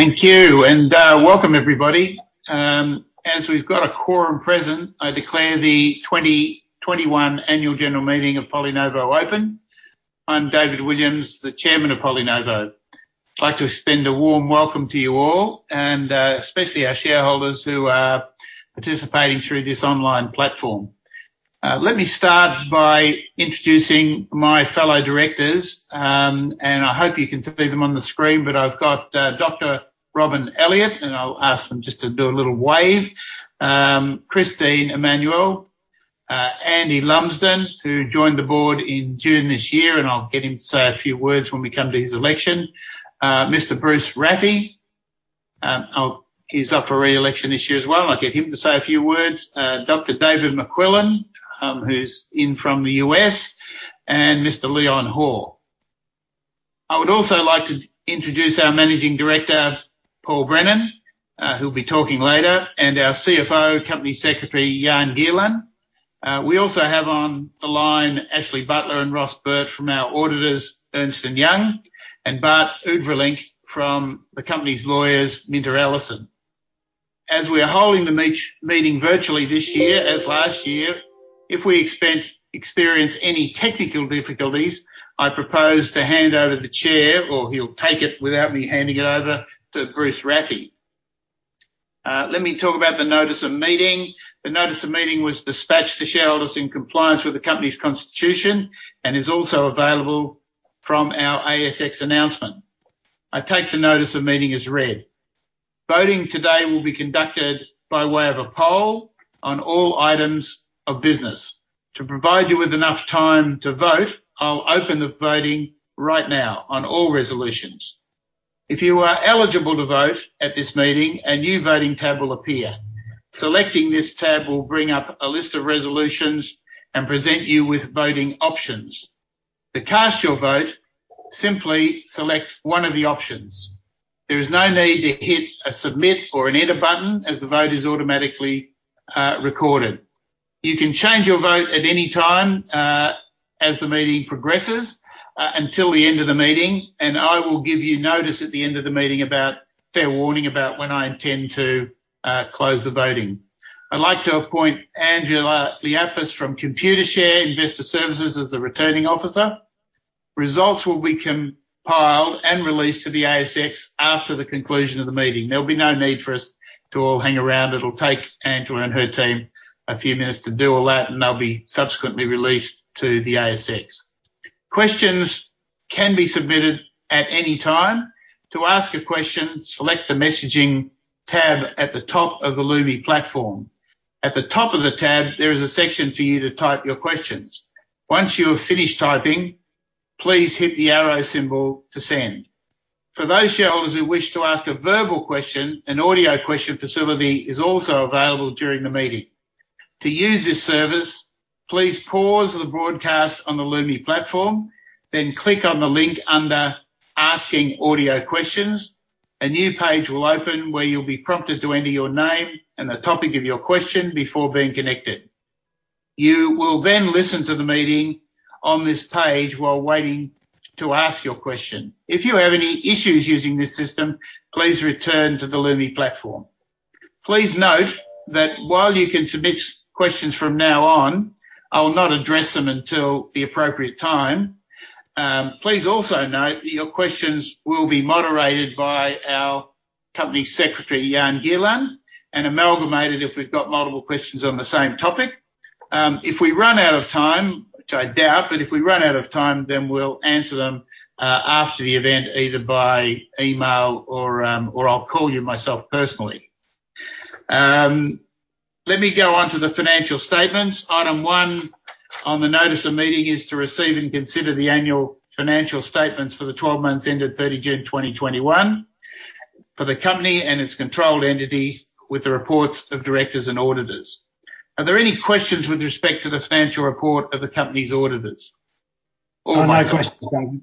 Thank you and welcome everybody. As we've got a quorum present, I declare the 2021 annual general meeting of PolyNovo open. I'm David Williams, the Chairman of PolyNovo. I'd like to extend a warm welcome to you all, and especially our shareholders who are participating through this online platform. Let me start by introducing my fellow directors. I hope you can see them on the screen, but I've got Dr. Robyn Elliott, and I'll ask him just to do a little wave. Christine Emmanuel, Andy Lumsden, who joined the board in June this year, and I'll get him to say a few words when we come to his election. Mr. Bruce Rathie. He's up for re-election this year as well, I'll get him to say a few words. Dr. David McQuillan, who's in from the U.S., and Mr. Leon Ho. I would also like to introduce our Managing Director, Paul Brennan, who'll be talking later, and our CFO, Company Secretary, Jan Gielen. We also have on the line Ashley Butler and Ross Burt from our auditors, Ernst & Young, and Bart Oude-Vrielink from the company's lawyers, MinterEllison. As we are holding the meeting virtually this year, as last year, if we experience any technical difficulties, I propose to hand over the chair, or he'll take it without me handing it over to Bruce Rathie. Let me talk about the notice of meeting. The notice of meeting was dispatched to shareholders in compliance with the company's constitution, and is also available from our ASX announcement. I take the notice of meeting as read. Voting today will be conducted by way of a poll on all items of business. To provide you with enough time to vote, I'll open the voting right now on all resolutions. If you are eligible to vote at this meeting, a new voting tab will appear. Selecting this tab will bring up a list of resolutions and present you with voting options. To cast your vote, simply select one of the options. There is no need to hit a submit or an enter button, as the vote is automatically recorded. You can change your vote at any time as the meeting progresses until the end of the meeting, and I will give you notice at the end of the meeting, fair warning about when I intend to close the voting. I'd like to appoint Angela Liapis from Computershare Investor Services as the Returning Officer. Results will be compiled and released to the ASX after the conclusion of the meeting. There'll be no need for us to all hang around. It'll take Angela and her team a few minutes to do all that, and they'll be subsequently released to the ASX. Questions can be submitted at any time. To ask a question, select the messaging tab at the top of the Lumi platform. At the top of the tab, there is a section for you to type your questions. Once you have finished typing, please hit the arrow symbol to send. For those shareholders who wish to ask a verbal question, an audio question facility is also available during the meeting. To use this service, please pause the broadcast on the Lumi platform, then click on the link under Asking Audio Questions. A new page will open where you'll be prompted to enter your name and the topic of your question before being connected. You will then listen to the meeting on this page while waiting to ask your question. If you have any issues using this system, please return to the Lumi platform. Please note that while you can submit questions from now on, I will not address them until the appropriate time. Please also note that your questions will be moderated by our company secretary, Jan Gielen, and amalgamated if we've got multiple questions on the same topic. If we run out of time, which I doubt, but if we run out of time, then we'll answer them, after the event, either by email or I'll call you myself personally. Let me go on to the financial statements. Item one on the notice of meeting is to receive and consider the annual financial statements for the 12 months ended June 30, 2021 for the company and its controlled entities with the reports of directors and auditors. Are there any questions with respect to the financial report of the company's auditors? Angela. No questions, David.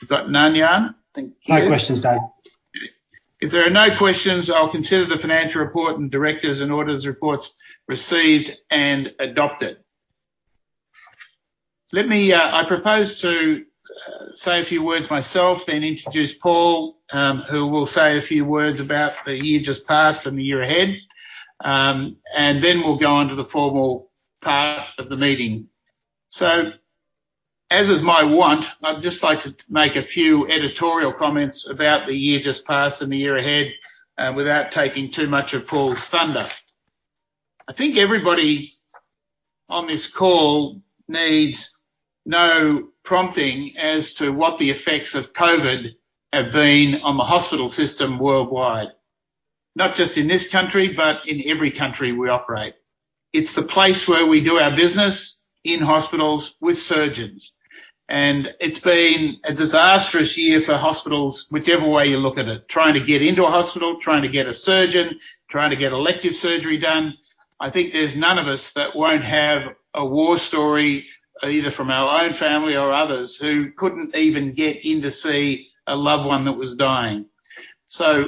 We've got none, Jan? Thank you. No questions, Dave. If there are no questions, I'll consider the financial report and directors and auditors' reports received and adopted. Let me. I propose to say a few words myself, then introduce Paul, who will say a few words about the year just passed and the year ahead. We'll go onto the formal part of the meeting. As is my want, I'd just like to make a few editorial comments about the year just passed and the year ahead, without taking too much of Paul's thunder. I think everybody on this call needs no prompting as to what the effects of COVID have been on the hospital system worldwide. Not just in this country, but in every country we operate. It's the place where we do our business, in hospitals with surgeons, and it's been a disastrous year for hospitals whichever way you look at it. Trying to get into a hospital, trying to get a surgeon, trying to get elective surgery done. I think there's none of us that won't have a war story, either from our own family or others, who couldn't even get in to see a loved one that was dying.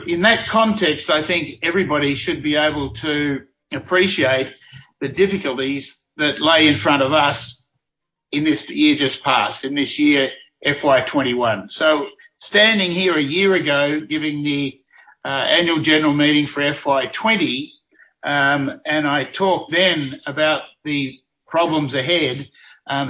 In that context, I think everybody should be able to appreciate the difficulties that lay in front of us. In this year just past, FY 2021. Standing here a year ago, giving the annual general meeting for FY 2020, and I talked then about the problems ahead,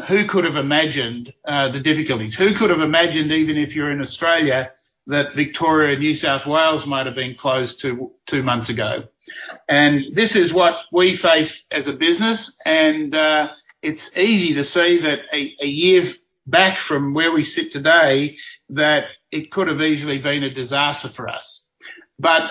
who could have imagined the difficulties? Who could have imagined, even if you're in Australia, that Victoria and New South Wales might have been closed two months ago? This is what we faced as a business, and it's easy to see that a year back from where we sit today, that it could have easily been a disaster for us. But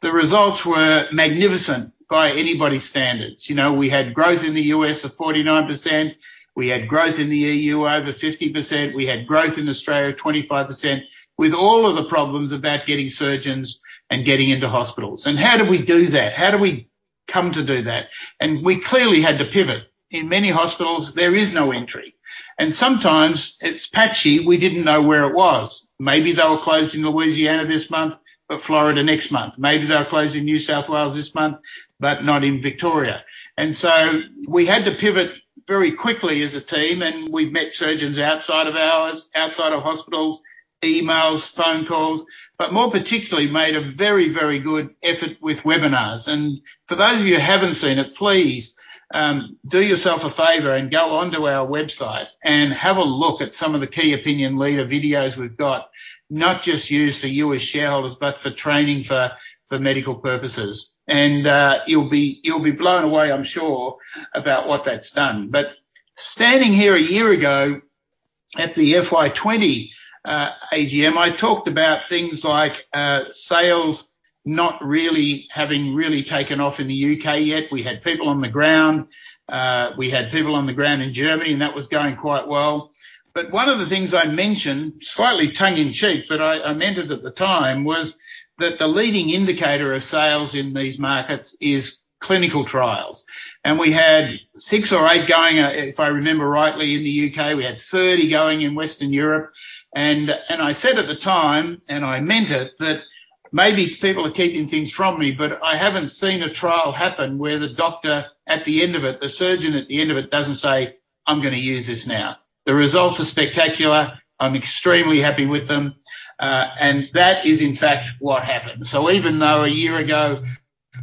the results were magnificent by anybody's standards. You know, we had growth in the U.S. of 49%. We had growth in the EU, over 50%. We had growth in Australia of 25%, with all of the problems about getting surgeons and getting into hospitals. How do we do that? How do we come to do that? We clearly had to pivot. In many hospitals, there is no entry. Sometimes it's patchy. We didn't know where it was. Maybe they were closed in Louisiana this month, but Florida next month. Maybe they were closed in New South Wales this month, but not in Victoria. We had to pivot very quickly as a team, and we met surgeons outside of hours, outside of hospitals, emails, phone calls, but more particularly, made a very, very good effort with webinars. For those of you who haven't seen it, please do yourself a favor and go onto our website and have a look at some of the key opinion leader videos we've got, not just used for you as shareholders, but for training for medical purposes. You'll be blown away, I'm sure, about what that's done. Standing here a year ago at the FY 2020 AGM, I talked about things like sales not really having taken off in the U.K. yet. We had people on the ground. We had people on the ground in Germany, and that was going quite well. One of the things I mentioned, slightly tongue in cheek, but I meant it at the time, was that the leading indicator of sales in these markets is clinical trials. We had six or eight going, if I remember rightly, in the U.K. We had 30 going in Western Europe. I said at the time, and I meant it, that maybe people are keeping things from me, but I haven't seen a trial happen where the doctor at the end of it, the surgeon at the end of it, doesn't say, "I'm gonna use this now. The results are spectacular. I'm extremely happy with them." And that is in fact what happened. Even though a year ago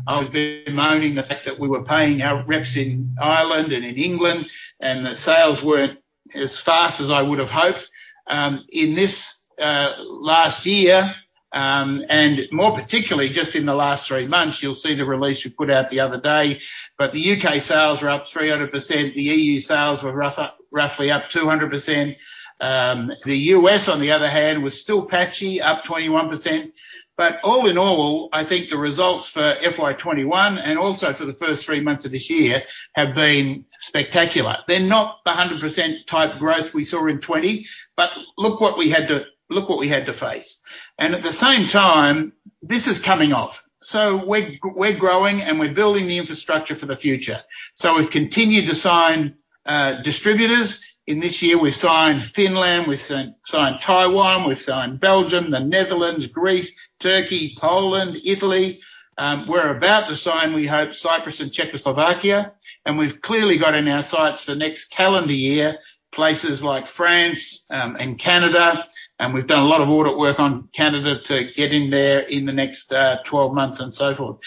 I was bemoaning the fact that we were paying our reps in Ireland and in England, and the sales weren't as fast as I would've hoped, in this last year, and more particularly just in the last three months, you'll see the release we put out the other day, but the U.K. sales were up 300%. The EU sales were roughly up 200%. The U.S., on the other hand, was still patchy, up 21%. All in all, I think the results for FY 2021 and also for the 1st three months of this year have been spectacular. They're not the 100% type growth we saw in 2020, but look what we had to face. At the same time, this is coming off. We're growing, and we're building the infrastructure for the future. We've continued to sign distributors. In this year, we signed Finland, we signed Taiwan, we've signed Belgium, The Netherlands, Greece, Turkey, Poland, Italy. We're about to sign, we hope, Cyprus and Czech Republic, and we've clearly got in our sights for next calendar year, places like France and Canada, and we've done a lot of audit work on Canada to get in there in the next 12 months and so forth.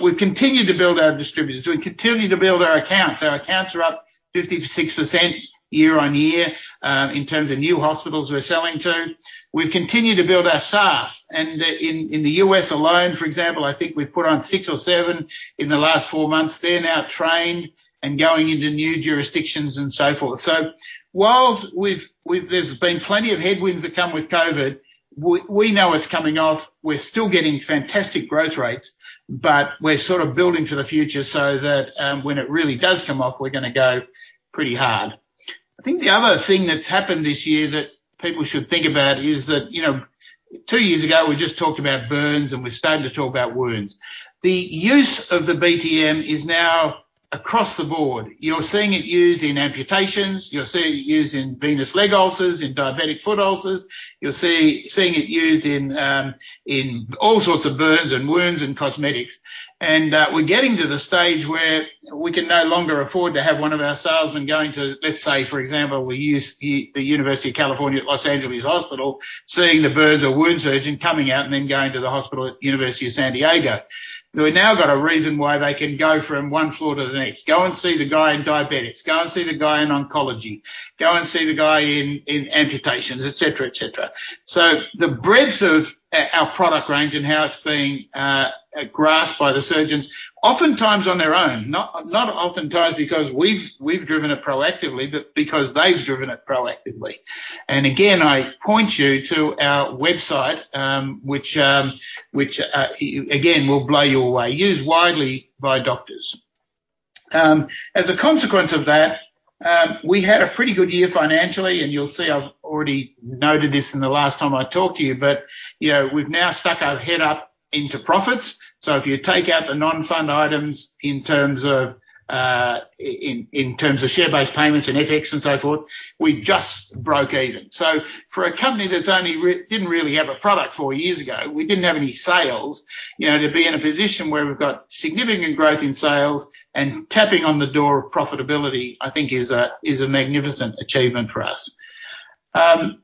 We've continued to build our distributors. We've continued to build our accounts. Our accounts are up 56% year-on-year in terms of new hospitals we're selling to. We've continued to build our staff. In the U.S. alone, for example, I think we've put on six or seven in the last four months. They're now trained and going into new jurisdictions and so forth. Whilst we've there’s been plenty of headwinds that come with COVID, we know it's coming off. We're still getting fantastic growth rates, but we're sort of building for the future so that when it really does come off, we're gonna go pretty hard. I think the other thing that's happened this year that people should think about is that, you know, two years ago, we just talked about burns and we've started to talk about wounds. The use of the BTM is now across the board. You're seeing it used in amputations, you're seeing it used in venous leg ulcers, in diabetic foot ulcers. You're seeing it used in all sorts of burns and wounds and cosmetics. We're getting to the stage where we can no longer afford to have one of our salesmen going to, let's say, for example, University of California, Los Angeles Hospital, seeing the burns or wounds surgeon coming out and then going to the hospital at University of California, San Diego. We've now got a reason why they can go from one floor to the next. Go and see the guy in diabetics. Go and see the guy in oncology. Go and see the guy in amputations, et cetera, et cetera. The breadth of our product range and how it's being grasped by the surgeons, oftentimes on their own, not oftentimes because we've driven it proactively, but because they've driven it proactively. I point you to our website, which again will blow you away, used widely by doctors. As a consequence of that, we had a pretty good year financially, and you'll see I've already noted this in the last time I talked to you, but you know, we've now stuck our head up into profits. If you take out the non-cash items in terms of share-based payments and FX and so forth, we just broke even. For a company that didn't really have a product four years ago, we didn't have any sales, you know, to be in a position where we've got significant growth in sales and tapping on the door of profitability, I think is a magnificent achievement for us. I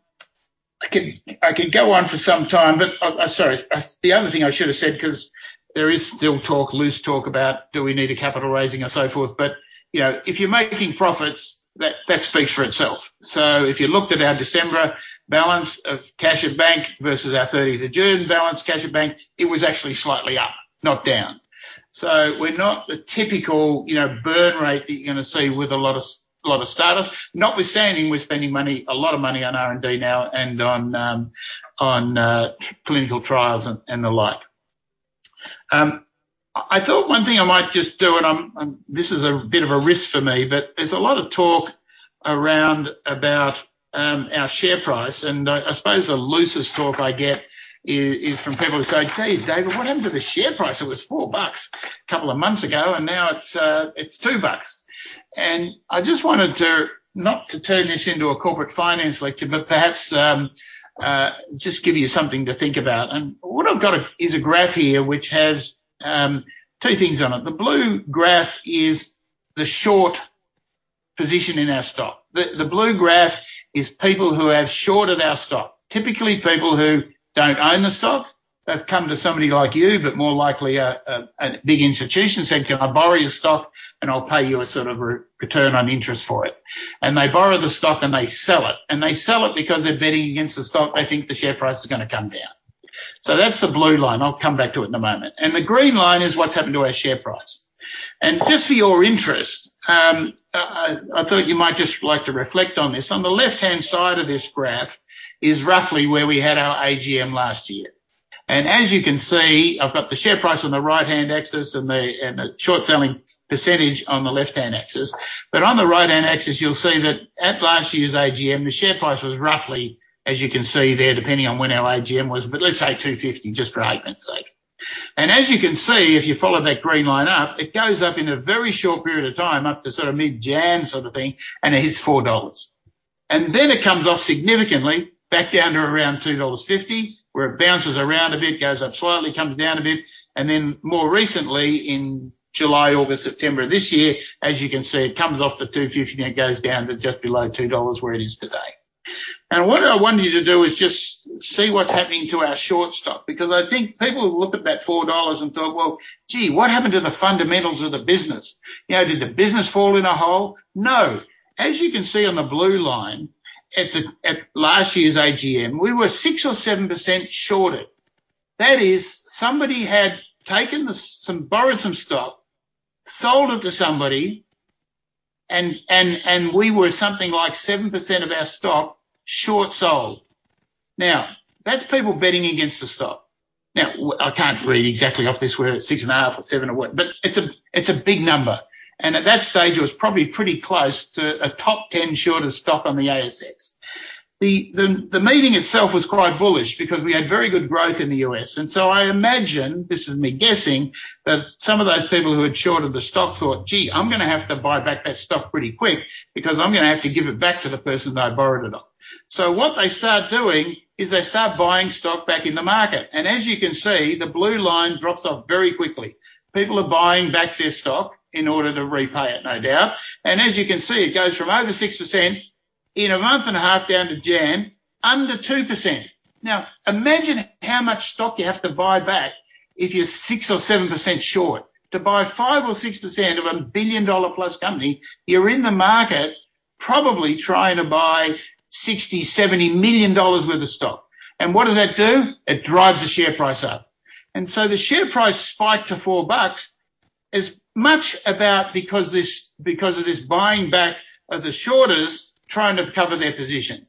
can go on for some time, but, sorry. The other thing I should have said, 'cause there is still talk, loose talk about do we need a capital raising and so forth, but, you know, if you're making profits, that speaks for itself. If you looked at our December cash balance at bank versus our June 30th cash balance at bank, it was actually slightly up, not down. We're not the typical, you know, burn rate that you're gonna see with a lot of startups, notwithstanding we're spending money, a lot of money on R&D now and on clinical trials and the like. I thought one thing I might just do, and this is a bit of a risk for me, but there's a lot of talk around about our share price and I suppose the loosest talk I get is from people who say, "Gee, David, what happened to the share price? It was 4 bucks a couple of months ago, and now it's 2 bucks." I just wanted to not to turn this into a corporate finance lecture, but perhaps just give you something to think about. What I've got is a graph here which has two things on it. The blue graph is the short position in our stock. The blue graph is people who have shorted our stock. Typically people who don't own the stock. They've come to somebody like you, but more likely a big institution said, "Can I borrow your stock, and I'll pay you a sort of return on interest for it?" They borrow the stock, and they sell it. They sell it because they're betting against the stock. They think the share price is gonna come down. That's the blue line. I'll come back to it in a moment. The green line is what's happened to our share price. Just for your interest, I thought you might just like to reflect on this. On the left-hand side of this graph is roughly where we had our AGM last year. As you can see, I've got the share price on the right-hand axis and the short selling percentage on the left-hand axis. On the right-hand axis, you'll see that at last year's AGM, the share price was roughly, as you can see there, depending on when our AGM was, but let's say 2.50 just for argument's sake. As you can see, if you follow that green line up, it goes up in a very short period of time up to sort of mid-January sort of thing, and it hits 4 dollars. Then it comes off significantly back down to around 2.50 dollars, where it bounces around a bit, goes up slightly, comes down a bit, and then more recently in July, August, September of this year, as you can see, it comes off the 2.50 and it goes down to just below 2 dollars where it is today. What I wanted you to do is just see what's happening to our short stock, because I think people look at that 4 dollars and thought, "Well, gee, what happened to the fundamentals of the business? You know, did the business fall in a hole?" No. As you can see on the blue line, at last year's AGM, we were 6% or 7% shorted. That is, somebody had borrowed some stock, sold it to somebody and we were something like 7% of our stock short sold. Now, that's people betting against the stock. Now, I can't read exactly off this we're at 6.5 or 7 or what, but it's a big number. At that stage it was probably pretty close to a top 10 shortest stock on the ASX. The meeting itself was quite bullish because we had very good growth in the U.S., and so I imagine, this is me guessing, that some of those people who had shorted the stock thought, "Gee, I'm gonna have to buy back that stock pretty quick, because I'm gonna have to give it back to the person that I borrowed it on." What they start doing is they start buying stock back in the market, and as you can see, the blue line drops off very quickly. People are buying back their stock in order to repay it, no doubt. As you can see, it goes from over 6% in a month and a half down to just under 2%. Now, imagine how much stock you have to buy back if you're 6% or 7% short. To buy 5%-6% of a billion-dollar plus company, you're in the market probably trying to buy 60 million dollars - 70 million dollars worth of stock. What does that do? It drives the share price up. The share price spike to 4 bucks is much about because of this buying back of the shorters trying to cover their position,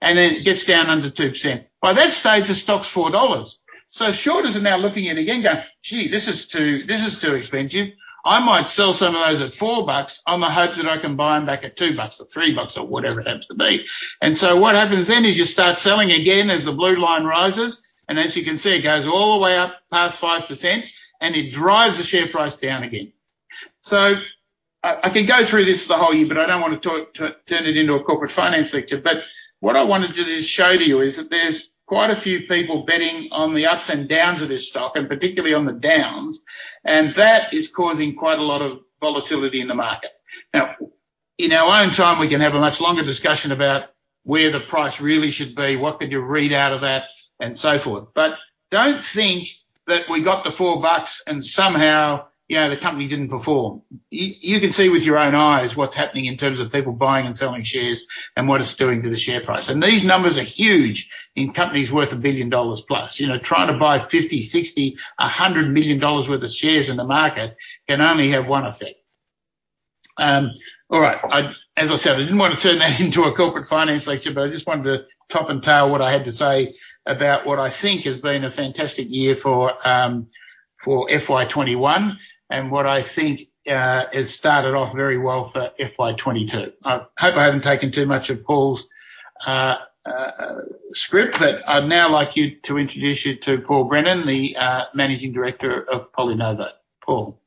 and then it gets down under 2%. By that stage, the stock's 4 dollars. Shorters are now looking at it again going, "Gee, this is too expensive. I might sell some of those at 4 bucks on the hopes that I can buy them back at 2 bucks or 3 bucks or whatever it happens to be." What happens then is you start selling again as the blue line rises, and as you can see, it goes all the way up past 5% and it drives the share price down again. I can go through this for the whole year, but I don't wanna turn it into a corporate finance lecture, but what I wanted to just show to you is that there's quite a few people betting on the ups and downs of this stock, and particularly on the downs, and that is causing quite a lot of volatility in the market. Now, in our own time, we can have a much longer discussion about where the price really should be, what could you read out of that, and so forth. Don't think that we got to 4 bucks and somehow, you know, the company didn't perform. You can see with your own eyes what's happening in terms of people buying and selling shares and what it's doing to the share price. These numbers are huge in companies worth 1 billion dollars plus. You know, trying to buy 50 million, 60 million, 100 million dollars worth of shares in the market can only have one effect. All right. As I said, I didn't want to turn that into a corporate finance lecture, but I just wanted to top and tail what I had to say about what I think has been a fantastic year for FY 2021, and what I think has started off very well for FY 2022. I hope I haven't taken too much of Paul's script, but I'd now like to introduce you to Paul Brennan, the Managing Director of PolyNovo. Paul.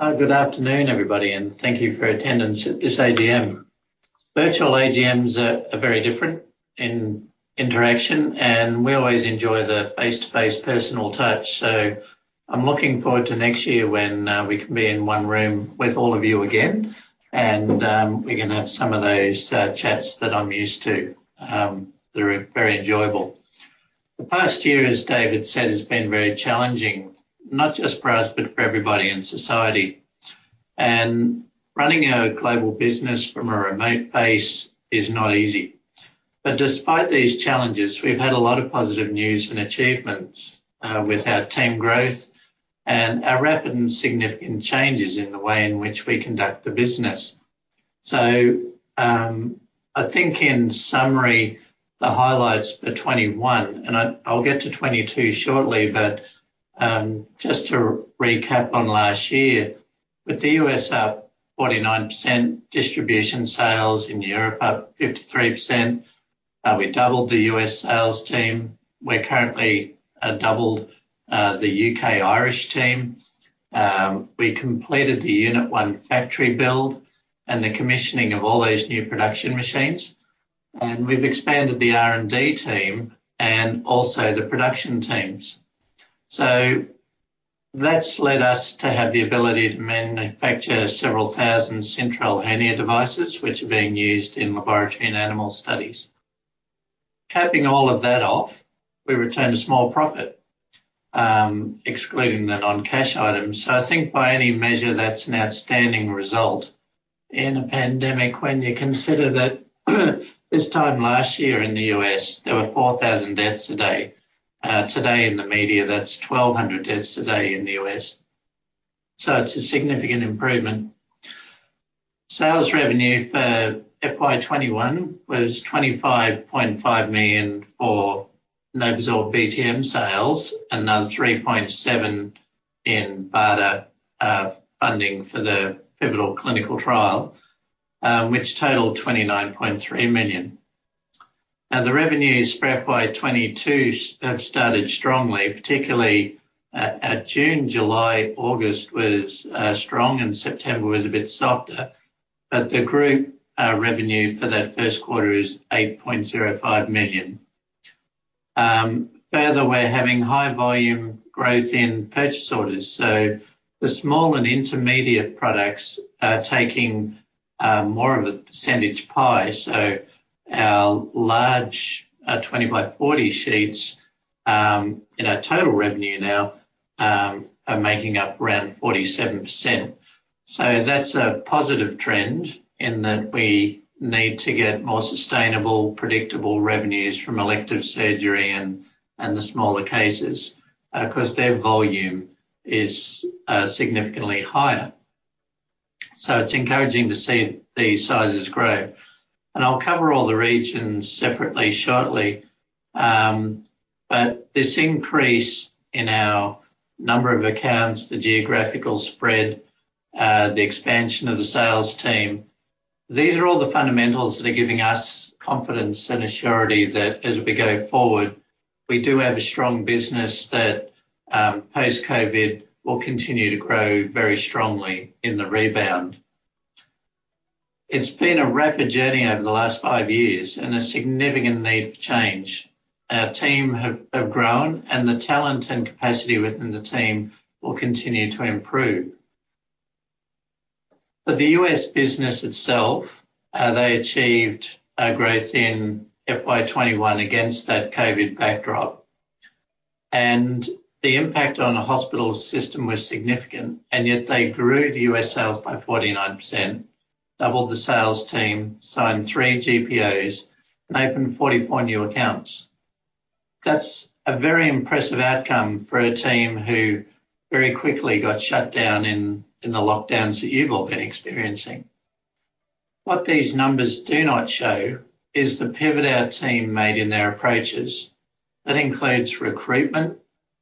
Good afternoon, everybody, and thank you for your attendance at this AGM. Virtual AGMs are very different in interaction, and we always enjoy the face-to-face personal touch. I'm looking forward to next year when we can be in one room with all of you again, and we can have some of those chats that I'm used to. They're very enjoyable. The past year, as David said, has been very challenging, not just for us, but for everybody in society. Running a global business from a remote base is not easy. Despite these challenges, we've had a lot of positive news and achievements with our team growth and our rapid and significant changes in the way in which we conduct the business. I think in summary, the highlights for 2021, and I'll get to 2022 shortly, but just to recap on last year. With the U.S. up 49%, distribution sales in Europe up 53%. We doubled the U.S. sales team. We're currently doubling the U.K. Irish team. We completed the unit one factory build and the commissioning of all those new production machines, and we've expanded the R&D team and also the production teams. That's led us to have the ability to manufacture several thousand Syntrel hernia devices, which are being used in laboratory and animal studies. Capping all of that off, we returned a small profit, excluding the non-cash items. I think by any measure, that's an outstanding result in a pandemic when you consider that this time last year in the U.S., there were 4,000 deaths a day. Today in the media, that's 1,200 deaths a day in the U.S. It's a significant improvement. Sales revenue for FY 2021 was 25.5 million for NovoSorb BTM sales, another 3.7 in BARDA funding for the pivotal clinical trial, which totaled 29.3 million. Now the revenues for FY 2022 have started strongly, particularly at June. July, August was strong and September was a bit softer. The group revenue for that first quarter is 8.05 million. Further, we're having high volume growth in purchase orders. The small and intermediate products are taking more of a percentage pie. Our large 20 by 40 sheets in our total revenue now are making up around 47%. That's a positive trend in that we need to get more sustainable, predictable revenues from elective surgery and the smaller cases because their volume is significantly higher. It's encouraging to see these sizes grow. I'll cover all the regions separately shortly. This increase in our number of accounts, the geographical spread, the expansion of the sales team, these are all the fundamentals that are giving us confidence and certainty that as we go forward, we do have a strong business that post-COVID will continue to grow very strongly in the rebound. It's been a rapid journey over the last five years and a significant need for change. Our team have grown, and the talent and capacity within the team will continue to improve. The U.S. business itself, they achieved a growth in FY 2021 against that COVID backdrop, and the impact on the hospital system was significant, and yet they grew the U.S. sales by 49%, doubled the sales team, signed three GPOs, and opened 44 new accounts. That's a very impressive outcome for a team who very quickly got shut down in the lockdowns that you've all been experiencing. What these numbers do not show is the pivot our team made in their approaches. That includes recruitment,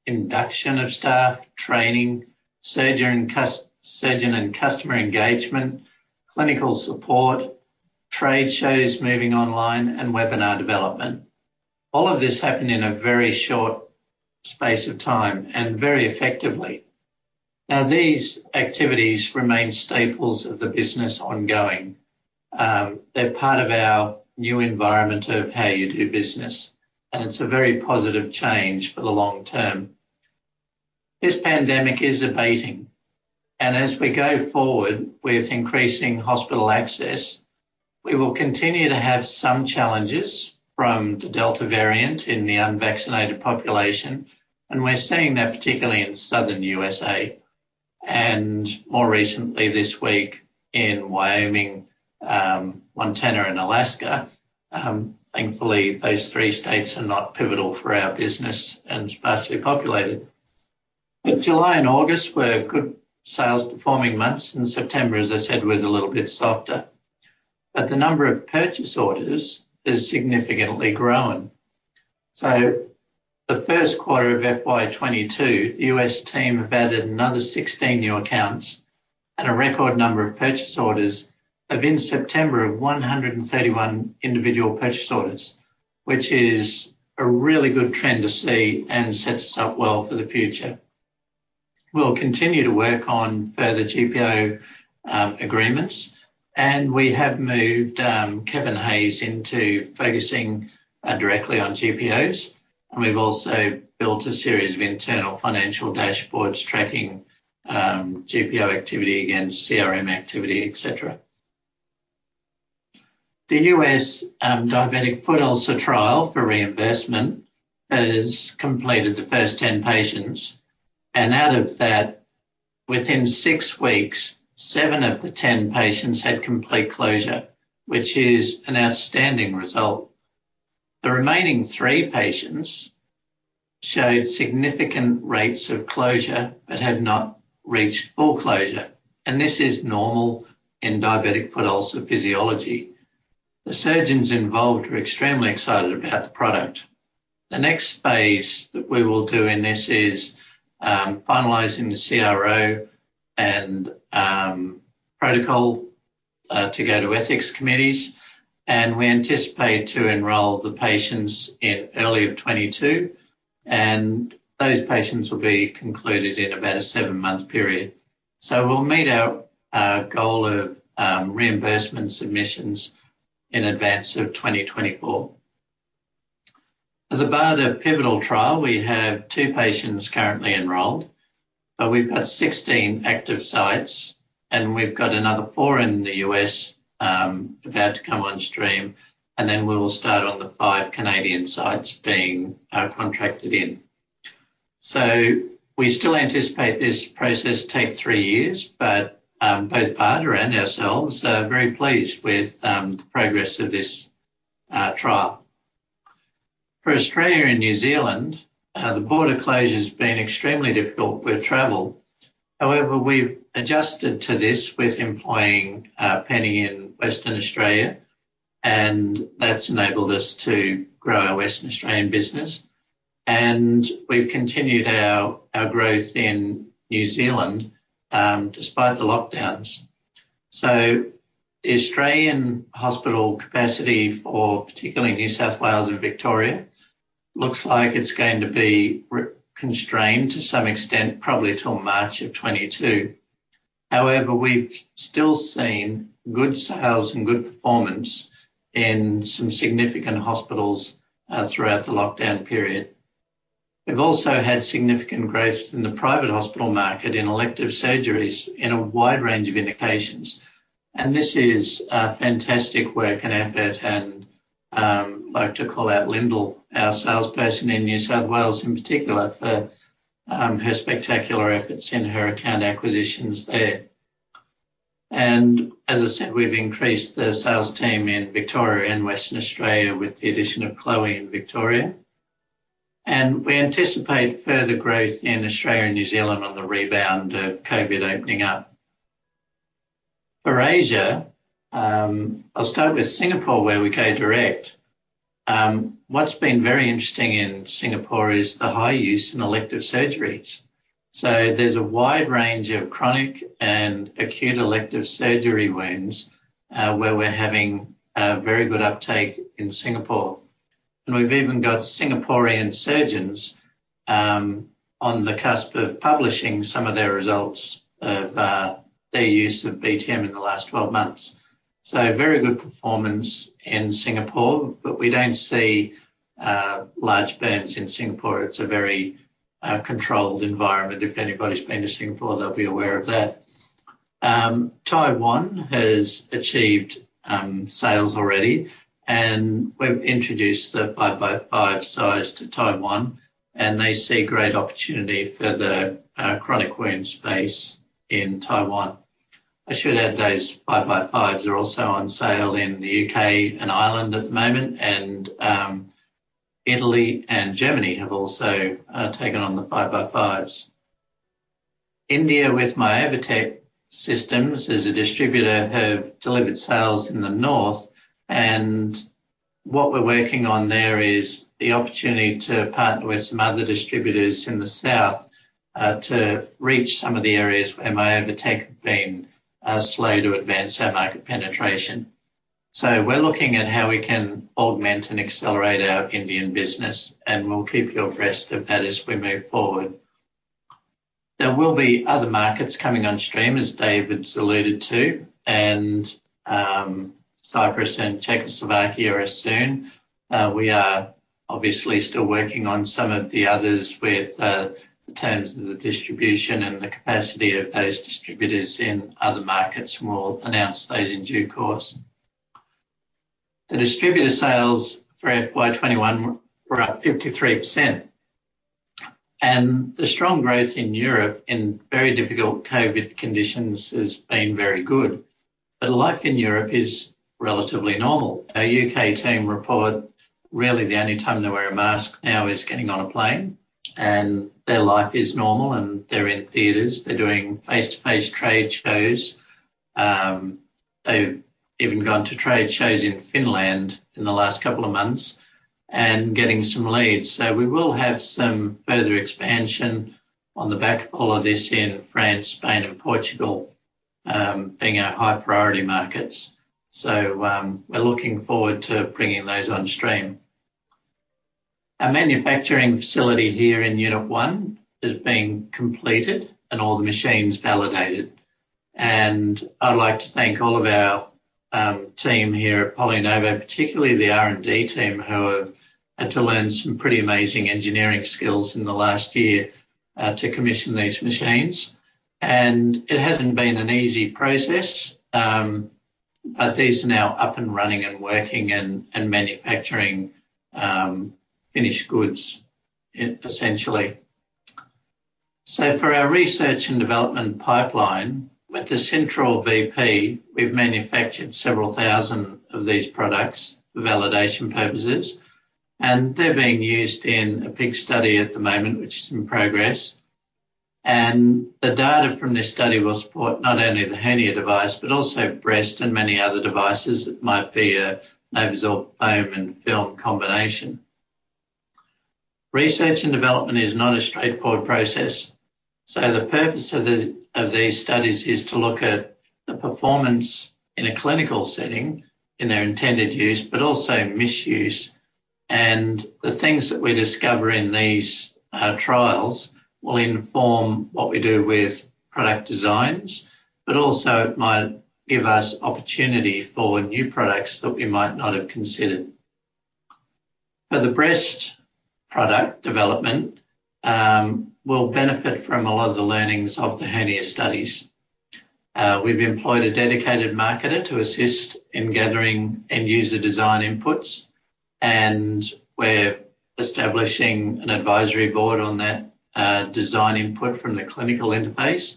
induction of staff, training, surgeon and customer engagement, clinical support, trade shows moving online, and webinar development. All of this happened in a very short space of time and very effectively. These activities remain staples of the business ongoing. They're part of our new environment of how you do business, and it's a very positive change for the long term. This pandemic is abating, and as we go forward with increasing hospital access, we will continue to have some challenges from the Delta variant in the unvaccinated population, and we're seeing that particularly in Southern U.S. and more recently this week in Wyoming, Montana and Alaska. Thankfully those three states are not pivotal for our business and sparsely populated. July and August were good sales performing months, and September, as I said, was a little bit softer. The number of purchase orders is significantly growing. The first quarter of FY 2022, the U.S. team have added another 16 new accounts and a record number of purchase orders of, in September, 131 individual purchase orders, which is a really good trend to see and sets us up well for the future. We'll continue to work on further GPO agreements. We have moved Kevin Hays into focusing directly on GPOs. We've also built a series of internal financial dashboards tracking GPO activity against CRM activity, et cetera. The U.S. Diabetic Foot Ulcer Trial for reimbursement has completed the 1st 10 patients, and out of that, within six weeks, seven of the 10 patients had complete closure, which is an outstanding result. The remaining three patients showed significant rates of closure but had not reached full closure, and this is normal in diabetic foot ulcer physiology. The surgeons involved are extremely excited about the product. The next phase that we will do in this is finalizing the CRO and protocol to go to ethics committees, and we anticipate to enroll the patients in early 2022, and those patients will be concluded in about a seven-month period. We'll meet our goal of reimbursement submissions in advance of 2024. As a part of the pivotal trial, we have two patients currently enrolled, but we've got 16 active sites, and we've got another four in the U.S. about to come on stream, and then we will start on the five Canadian sites being contracted in. We still anticipate this process take three years, but both BARDA and ourselves are very pleased with the progress of this trial. For Australia and New Zealand, the border closure's been extremely difficult with travel. However, we've adjusted to this with employing Penny Crawford in Western Australia, and that's enabled us to grow our Western Australian business. We've continued our growth in New Zealand despite the lockdowns. The Australian hospital capacity for particularly New South Wales and Victoria looks like it's going to be re-constrained to some extent probably till March 2022. However, we've still seen good sales and good performance in some significant hospitals throughout the lockdown period. We've also had significant growth in the private hospital market in elective surgeries in a wide range of indications, and this is fantastic work and effort, and I'd like to call out Lyndal Jones, our salesperson in New South Wales, in particular for her spectacular efforts in her account acquisitions there. As I said, we've increased the sales team in Victoria and Western Australia with the addition of Chloe Van Staden in Victoria, and we anticipate further growth in Australia and New Zealand on the rebound of COVID opening up. For Asia, I'll start with Singapore, where we go direct. What's been very interesting in Singapore is the high use in elective surgeries. There's a wide range of chronic and acute elective surgery wounds where we're having very good uptake in Singapore. We've even got Singaporean surgeons on the cusp of publishing some of their results of their use of BTM in the last 12 months. Very good performance in Singapore, but we don't see large burns in Singapore. It's a very controlled environment. If anybody's been to Singapore, they'll be aware of that. Taiwan has achieved sales already, and we've introduced the 5x5 size to Taiwan, and they see great opportunity for the chronic wound space in Taiwan. I should add those 5x5s are also on sale in the U.K. and Ireland at the moment, and Italy and Germany have also taken on the 5x5s. India with Myovatec Surgical Systems as a distributor have delivered sales in the north, and what we're working on there is the opportunity to partner with some other distributors in the south to reach some of the areas where Myovatec Surgical Systems have been slow to advance our market penetration. We're looking at how we can augment and accelerate our Indian business, and we'll keep you abreast of that as we move forward. There will be other markets coming on stream, as David's alluded to, and Cyprus and Czech Republic are soon. We are obviously still working on some of the others with the terms of the distribution and the capacity of those distributors in other markets, and we'll announce those in due course. The distributor sales for FY 2021 were up 53%, and the strong growth in Europe in very difficult COVID conditions has been very good. Life in Europe is relatively normal. Our U.K. team report really the only time they wear a mask now is getting on a plane, and their life is normal, and they're in theaters. They're doing face-to-face trade shows. They've even gone to trade shows in Finland in the last couple of months and getting some leads. We will have some further expansion on the back of all of this in France, Spain, and Portugal, being our high priority markets. We're looking forward to bringing those on stream. Our manufacturing facility here in Unit 1 has been completed and all the machines validated. I'd like to thank all of our team here at PolyNovo, particularly the R&D team who have had to learn some pretty amazing engineering skills in the last year, to commission these machines. It hasn't been an easy process, but these are now up and running and working and manufacturing finished goods essentially. For our research and development pipeline, with the Syntrel VP, we've manufactured several thousand of these products for validation purposes, and they're being used in a big study at the moment, which is in progress. The data from this study will support not only the Hernia device, but also breast and many other devices that might be a NovoSorb foam and film combination. Research and development is not a straightforward process, so the purpose of these studies is to look at the performance in a clinical setting in their intended use, but also misuse. The things that we discover in these trials will inform what we do with product designs, but also it might give us opportunity for new products that we might not have considered. For the breast product development, we'll benefit from a lot of the learnings of the Hernia studies. We've employed a dedicated marketer to assist in gathering end user design inputs, and we're establishing an advisory board on that design input from the clinical interface.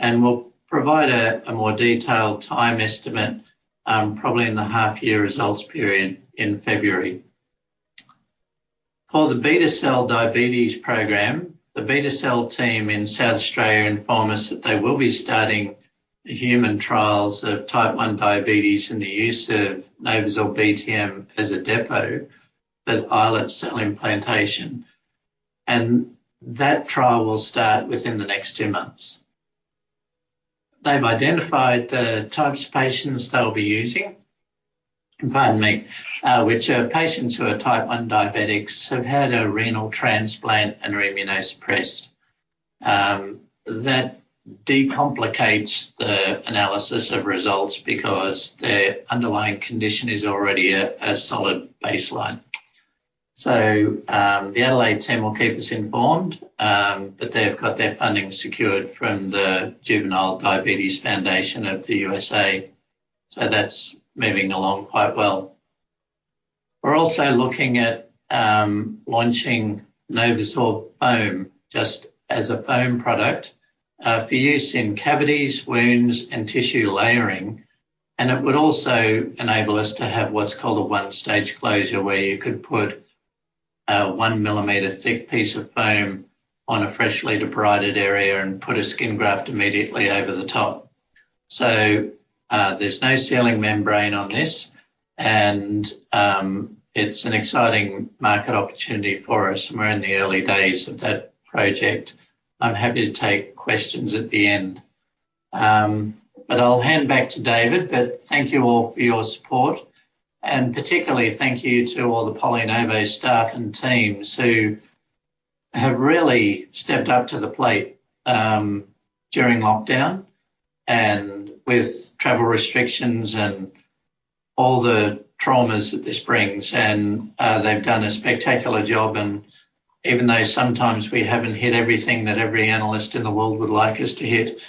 We'll provide a more detailed time estimate, probably in the half-year results period in February. For the beta cell diabetes program, the beta cell team in South Australia inform us that they will be starting the human trials of type one diabetes and the use of NovoSorb as a depot for islet cell implantation, and that trial will start within the next two months. They've identified the types of patients they'll be using. Pardon me. Which are patients who are type one diabetics who've had a renal transplant and are immunosuppressed. That decomplicates the analysis of results because their underlying condition is already a solid baseline. The Adelaide team will keep us informed, but they've got their funding secured from the Juvenile Diabetes Research Foundation of the USA, so that's moving along quite well. We're also looking at launching NovoSorb foam, just as a foam product, for use in cavities, wounds and tissue layering. It would also enable us to have what's called a one-stage closure, where you could put a 1 millimeter thick piece of foam on a freshly debrided area and put a skin graft immediately over the top. There's no sealing membrane on this and it's an exciting market opportunity for us, and we're in the early days of that project. I'm happy to take questions at the end. I'll hand back to David. Thank you all for your support, and particularly thank you to all the PolyNovo staff and teams who have really stepped up to the plate during lockdown and with travel restrictions and all the traumas that this brings. They've done a spectacular job. Even though sometimes we haven't hit everything that every analyst in the world would like us to hit,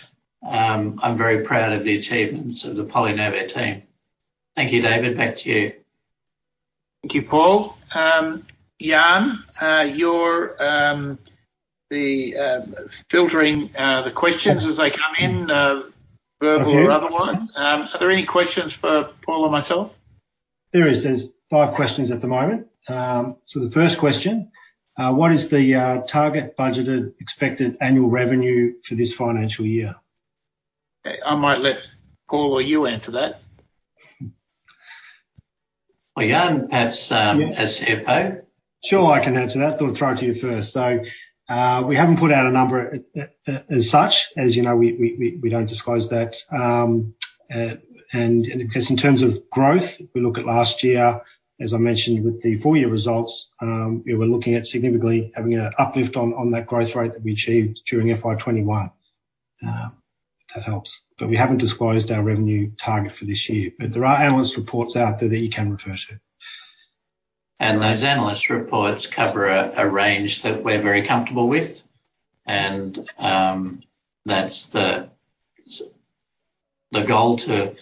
I'm very proud of the achievements of the PolyNovo team. Thank you, David, back to you. Thank you, Paul. Jan, you're filtering the questions as they come in, verbal or otherwise. Thank you. Are there any questions for Paul or myself? There is. There's five questions at the moment. The 1st question, what is the target budgeted expected annual revenue for this financial year? I might let Paul or you answer that. Well, Jan, perhaps, as CFO. Sure. I can answer that. Thought I'd throw it to you 1st. We haven't put out a number as such. As you know, we don't disclose that, and because in terms of growth, if we look at last year, as I mentioned with the full year results, we're looking at significantly having an uplift on that growth rate that we achieved during FY 2021. If that helps. We haven't disclosed our revenue target for this year. There are analyst reports out there that you can refer to. Those analyst reports cover a range that we're very comfortable with, and that's the goal to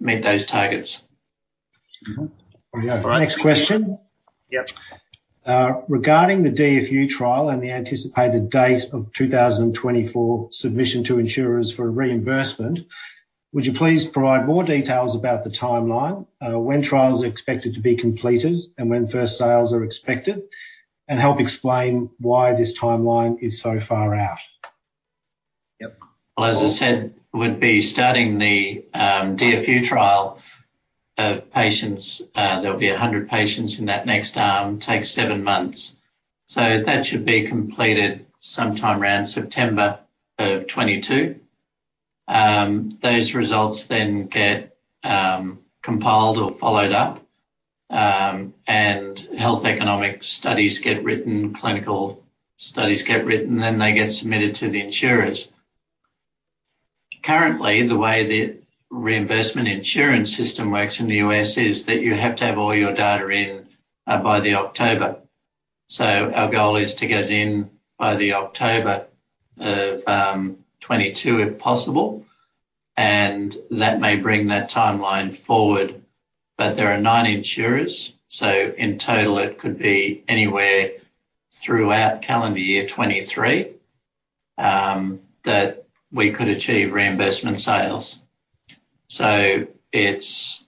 meet those targets. There we go. All right. Next question. Yep. Regarding the DFU trial and the anticipated date of 2024 submission to insurers for reimbursement, would you please provide more details about the timeline, when trials are expected to be completed and when 1st sales are expected, and help explain why this timeline is so far out? Yep, Paul. Well, as I said, we'd be starting the DFU trial of patients. There'll be 100 patients in that next arm. It takes seven months, so that should be completed sometime around September 2022. Those results then get compiled or followed up, and health economic studies get written, clinical studies get written, then they get submitted to the insurers. Currently, the way the reimbursement insurance system works in the U.S. is that you have to have all your data in by October. Our goal is to get it in by October 2022 if possible, and that may bring that timeline forward. There are nine insurers, so in total it could be anywhere throughout calendar year 2023 that we could achieve reimbursement sales. It's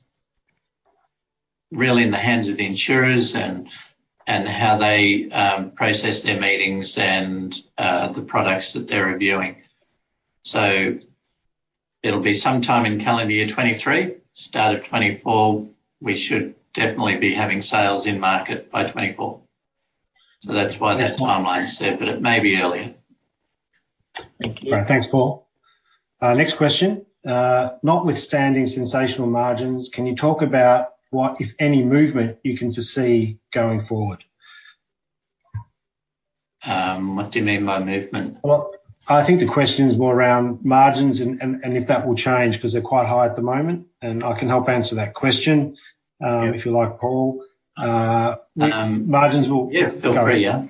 really in the hands of the insurers and how they process their meetings and the products that they're reviewing. It'll be some time in calendar year 2023. The start of 2024, we should definitely be having sales in market by 2024. That's why that timeline said, but it may be earlier. Thank you. Right. Thanks, Paul. Next question. Notwithstanding sensational margins, can you talk about what, if any, movement you can foresee going forward? What do you mean by movement? Well, I think the question is more around margins and if that will change 'cause they're quite high at the moment, and I can help answer that question. If you like, Paul. Margins will- Yeah. Feel free, yeah.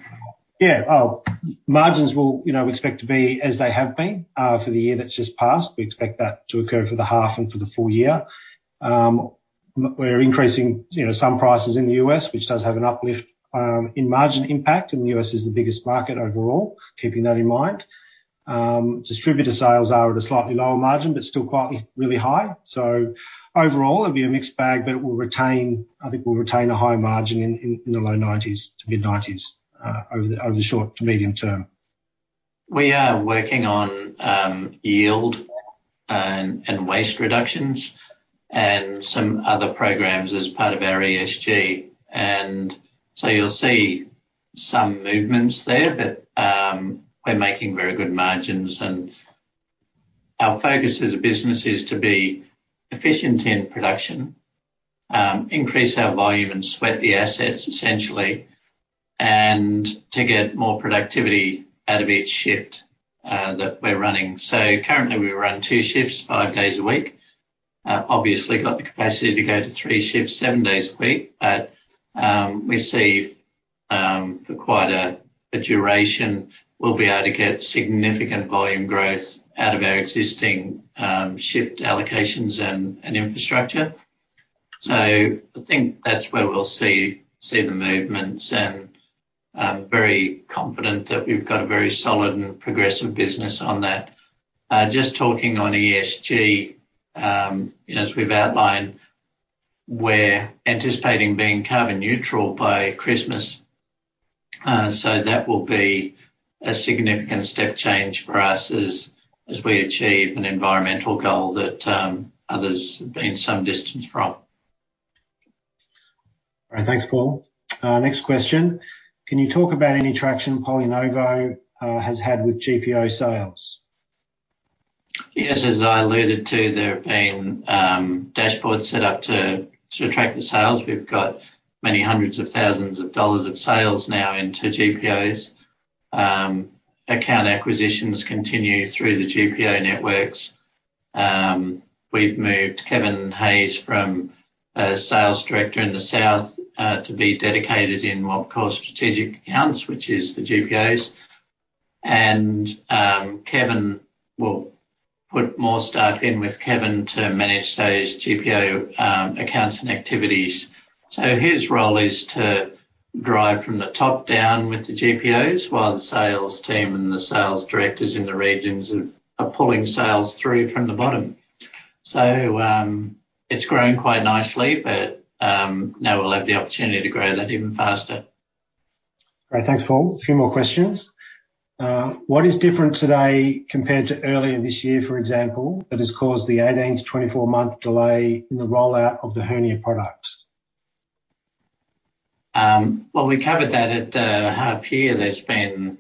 Yeah. Oh, margins will, you know, expect to be as they have been for the year that's just passed. We expect that to occur for the half and for the full year. We're increasing, you know, some prices in the U.S., which does have an uplift in margin impact, and the U.S. is the biggest market overall. Keeping that in mind. Distributor sales are at a slightly lower margin, but still quite really high. Overall it'll be a mixed bag, but it will retain. I think we'll retain a high margin in the low 90s% to mid-90s% over the short to medium term. We are working on yield and waste reductions and some other programs as part of our ESG, and so you'll see some movements there. We're making very good margins and our focus as a business is to be efficient in production, increase our volume and sweat the assets essentially, and to get more productivity out of each shift that we're running. Currently we run two shifts, five days a week. We've obviously got the capacity to go to three shifts, seven days a week, but we see for quite a duration we'll be able to get significant volume growth out of our existing shift allocations and infrastructure. I think that's where we'll see the movements and I'm very confident that we've got a very solid and progressive business on that. Just talking on ESG, you know, as we've outlined, we're anticipating being carbon neutral by Christmas. That will be a significant step change for us as we achieve an environmental goal that others have been some distance from. All right. Thanks, Paul. Next question. Can you talk about any traction PolyNovo has had with GPO sales? Yes, as I alluded to, there have been dashboards set up to track the sales. We've got many hundreds of thousands of dollars of sales now into GPOs. Account acquisitions continue through the GPO networks. We've moved Kevin Hays from a sales director in the south to be dedicated in what we call strategic accounts, which is the GPOs. Kevin will put more staff in with Kevin to manage those GPO accounts and activities. His role is to drive from the top down with the GPOs while the sales team and the sales directors in the regions are pulling sales through from the bottom. It's growing quite nicely, but now we'll have the opportunity to grow that even faster. Great. Thanks, Paul. A few more questions. What is different today compared to earlier this year, for example, that has caused the 18-24 month delay in the rollout of the hernia product? Well, we covered that at the half year. There's been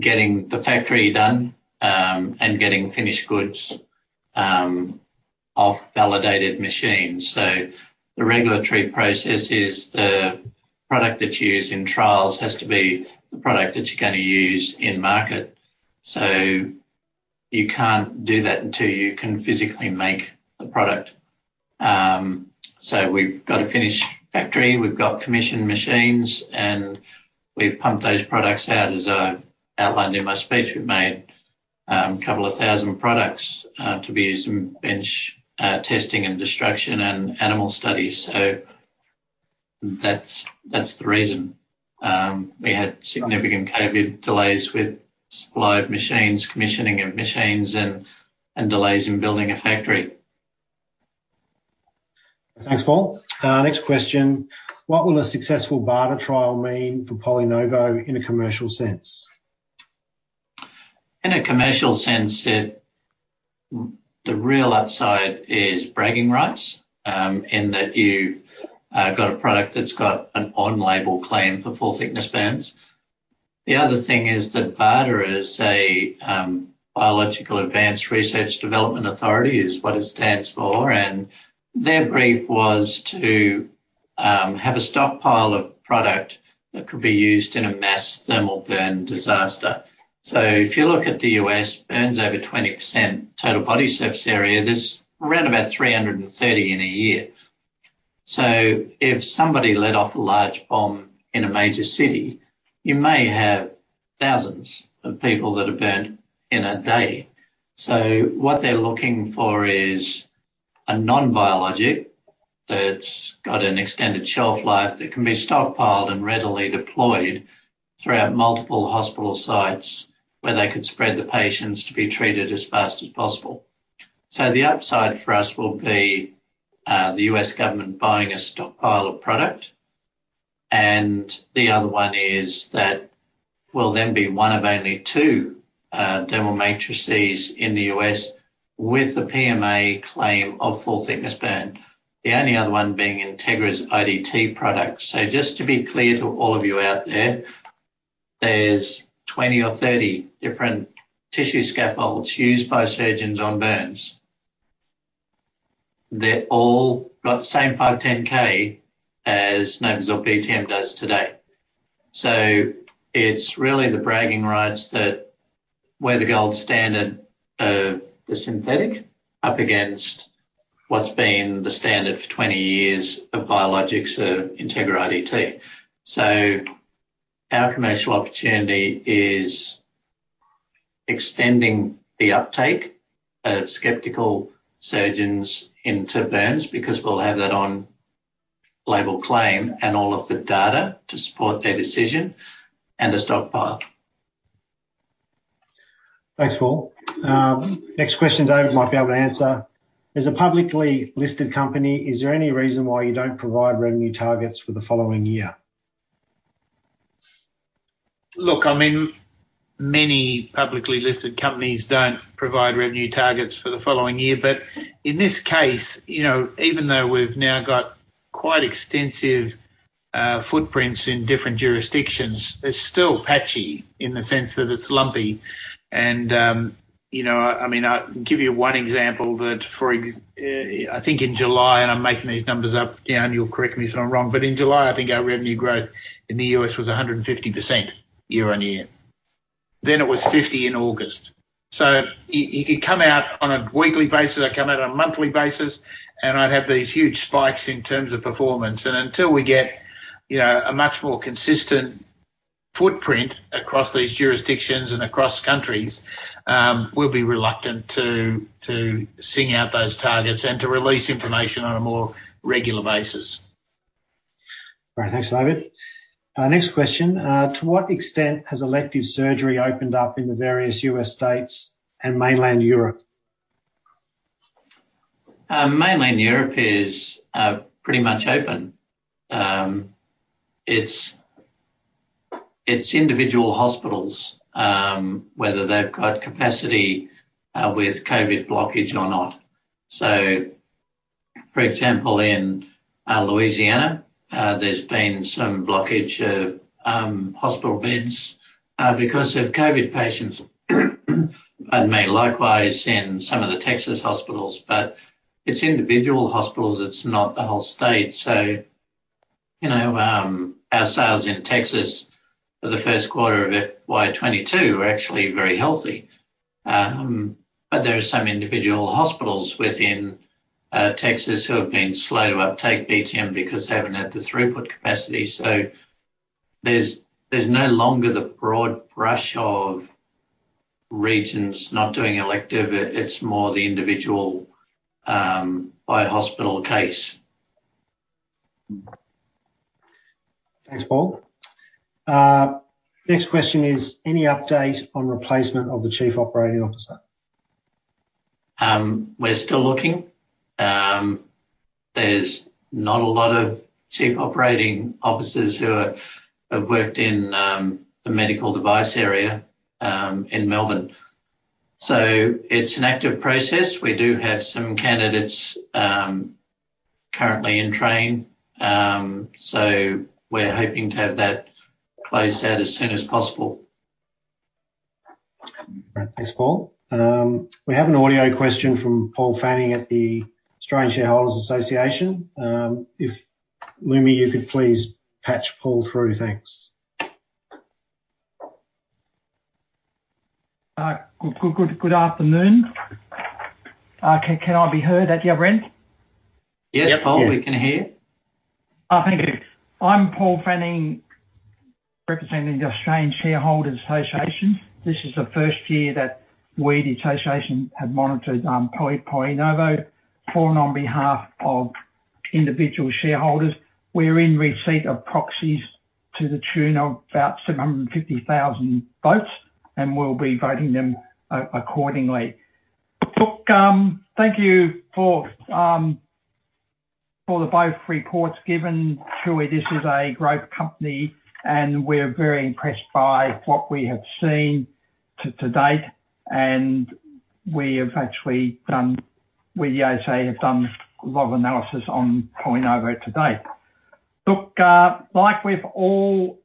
getting the factory done, and getting finished goods off validated machines. The regulatory process is the product that you use in trials has to be the product that you're gonna use in market. You can't do that until you can physically make the product. We've got a finished factory, we've got commissioned machines, and we've pumped those products out. As I outlined in my speech, we've made a couple of thousand products to be used in bench testing and destructive testing and animal studies. That's the reason. We had significant COVID delays with supply of machines, commissioning of machines and delays in building a factory. Thanks, Paul. Next question. What will a successful BARDA trial mean for PolyNovo in a commercial sense? In a commercial sense, the real upside is bragging rights, in that you've got a product that's got an on-label claim for full thickness burns. The other thing is that BARDA is a Biomedical Advanced Research and Development Authority, is what it stands for, and their brief was to have a stockpile of product that could be used in a mass thermal burn disaster. If you look at the U.S., burns over 20% total body surface area, there's around about 330 in a year. If somebody let off a large bomb in a major city, you may have thousands of people that are burned in a day. What they're looking for is a non-biologic that's got an extended shelf life, that can be stockpiled and readily deployed throughout multiple hospital sites where they could spread the patients to be treated as fast as possible. The upside for us will be the U.S. government buying a stockpile of product, and the other one is that we'll then be one of only two dermal matrices in the U.S. with the PMA claim of full thickness burn, the only other one being Integra's DRT product. Just to be clear to all of you out there are 20 or 30 different tissue scaffolds used by surgeons on burns. They've all got the same 510(k) as NovoSorb BTM does today. It's really the bragging rights that we're the gold standard of the synthetic up against what's been the standard for 20 years of biologics of Integra DRT. Our commercial opportunity is extending the uptake of skeptical surgeons into burns, because we'll have that on-label claim and all of the data to support their decision, and a stockpile. Thanks, Paul. Next question David might be able to answer. As a publicly listed company, is there any reason why you don't provide revenue targets for the following year? Look, I mean, many publicly listed companies don't provide revenue targets for the following year. In this case, you know, even though we've now got quite extensive footprints in different jurisdictions, they're still patchy in the sense that it's lumpy. You know, I mean, I'll give you one example. I think in July, and I'm making these numbers up, Dan, you'll correct me if I'm wrong, but in July, I think our revenue growth in the U.S. was 150% year-on-year. Then it was 50% in August. It'd come out on a weekly basis, it'd come out on a monthly basis, and I'd have these huge spikes in terms of performance. Until we get, you know, a much more consistent footprint across these jurisdictions and across countries, we'll be reluctant to sing out those targets and to release information on a more regular basis. All right. Thanks, David. Next question. To what extent has elective surgery opened up in the various U.S. states and mainland Europe? Mainland Europe is pretty much open. It's individual hospitals whether they've got capacity with COVID blockage or not. For example, in Louisiana, there's been some blockage of hospital beds because of COVID patients admitted. Likewise in some of the Texas hospitals. It's individual hospitals, it's not the whole state. You know, our sales in Texas for the first quarter of FY 2022 were actually very healthy. There are some individual hospitals within Texas who have been slow to uptake BTM because they haven't had the throughput capacity. There's no longer the broad brush of regions not doing elective. It's more the individual by hospital case. Thanks, Paul. Next question is, any update on replacement of the Chief Operating Officer? We're still looking. There's not a lot of chief operating officers who have worked in the medical device area in Melbourne. It's an active process. We do have some candidates currently in train. We're hoping to have that closed out as soon as possible. All right. Thanks, Paul. We have an audio question from Paul Fanning at the Australian Shareholders' Association. If Lumi, you could please patch Paul through. Thanks. Good afternoon. Can I be heard? Is that you, Jan Gielen? Yes, Paul, we can hear. Yep. Thank you. I'm Paul Fanning, representing the Australian Shareholders' Association. This is the 1st year that we, the association, have monitored PolyNovo for and on behalf of individual shareholders. We're in receipt of proxies to the tune of about 750,000 votes, and we'll be voting them accordingly. Look, thank you for the both reports given. Surely this is a growth company, and we're very impressed by what we have seen to date, and we have actually done—we, the ASA, have done a lot of analysis on PolyNovo to date. Look, like with all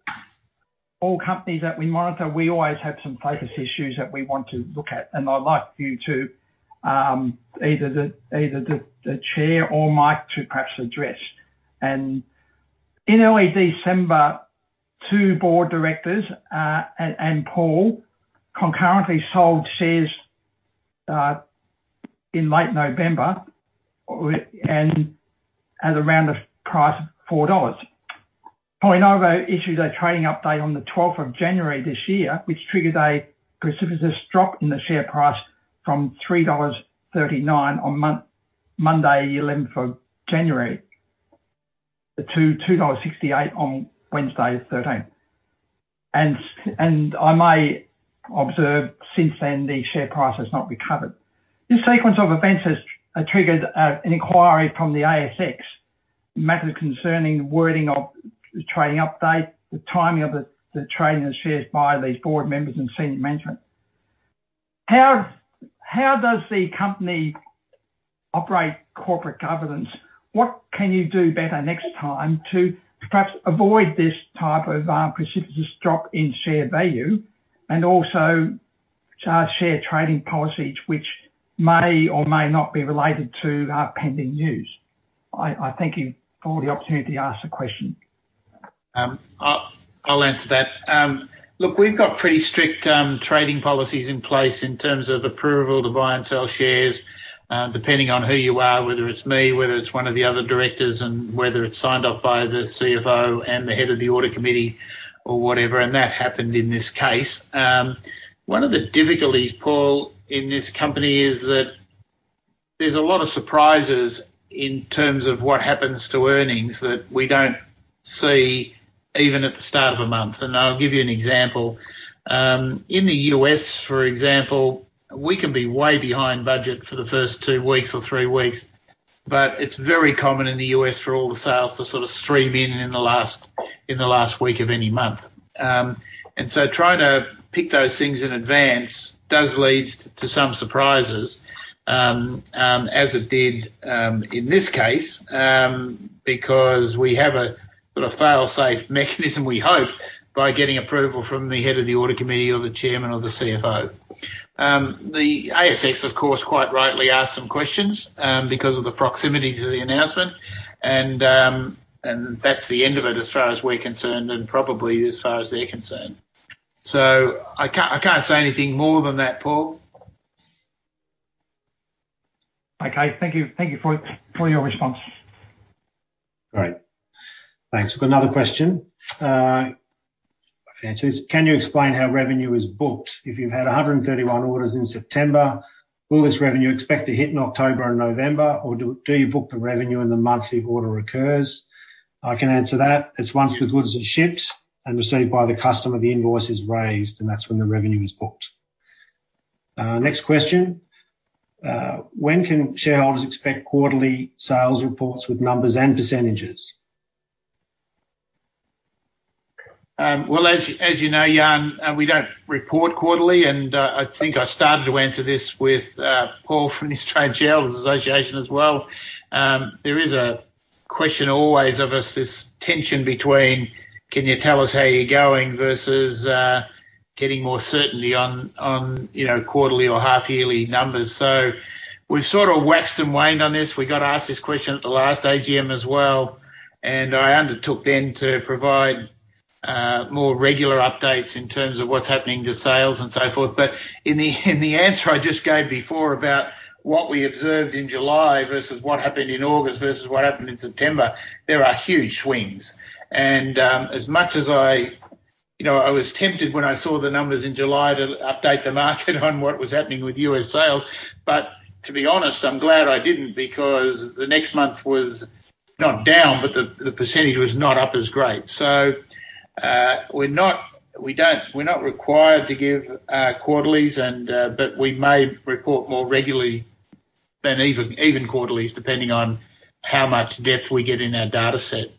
companies that we monitor, we always have some focus issues that we want to look at, and I'd like you to either the Chair or Mike to perhaps address. In early December, two board directors and Paul concurrently sold shares in late November and at around the price of 4 dollars. PolyNovo issued a trading update on the 12th of January this year, which triggered a precipitous drop in the share price from 3.39 dollars on Monday, 11th of January to AUD 2.68 on Wednesday the 13th. I may observe since then, the share price has not recovered. This sequence of events has triggered an inquiry from the ASX in matters concerning the wording of the trading update, the timing of the trading of shares by these board members and senior management. How does the company operate corporate governance? What can you do better next time to perhaps avoid this type of precipitous drop in share value and also share trading policies which may or may not be related to pending news? I thank you for the opportunity to ask the question. I'll answer that. Look, we've got pretty strict trading policies in place in terms of approval to buy and sell shares, depending on who you are, whether it's me, whether it's one of the other directors, and whether it's signed off by the CFO and the head of the audit committee or whatever, and that happened in this case. One of the difficulties, Paul, in this company is that there's a lot of surprises in terms of what happens to earnings that we don't see even at the start of a month, and I'll give you an example. In the U.S., for example, we can be way behind budget for the 1st two weeks or three weeks, but it's very common in the U.S. for all the sales to sort of stream in in the last week of any month. Trying to pick those things in advance does lead to some surprises, as it did in this case, because we have a sort of fail-safe mechanism, we hope, by getting approval from the head of the audit committee or the chairman or the CFO. The ASX, of course, quite rightly, asked some questions because of the proximity to the announcement, and that's the end of it as far as we're concerned and probably as far as they're concerned. I can't say anything more than that, Paul. Okay. Thank you. Thank you for your response. All right. Thanks. We've got another question. It says, "Can you explain how revenue is booked? If you've had 131 orders in September, will this revenue be expected to hit in October or November, or do you book the revenue in the month the order occurs?" I can answer that. It's once the goods are shipped and received by the customer, the invoice is raised, and that's when the revenue is booked. Next question. "When can shareholders expect quarterly sales reports with numbers and percentages? Well, as you know, Jan, we don't report quarterly, and I think I started to answer this with Paul from the Australian Shareholders' Association as well. There is a question always of us, this tension between can you tell us how you're going versus getting more certainty on, you know, quarterly or half-yearly numbers. We've sort of waxed and waned on this. We got asked this question at the last AGM as well, and I undertook then to provide more regular updates in terms of what's happening to sales and so forth. In the answer I just gave before about what we observed in July versus what happened in August versus what happened in September, there are huge swings. As much as I... You know, I was tempted when I saw the numbers in July to update the market on what was happening with U.S. sales. To be honest, I'm glad I didn't because the next month was not down, but the percentage was not up as great. We're not required to give quarterlies, but we may report more regularly than even quarterlies, depending on how much depth we get in our data set.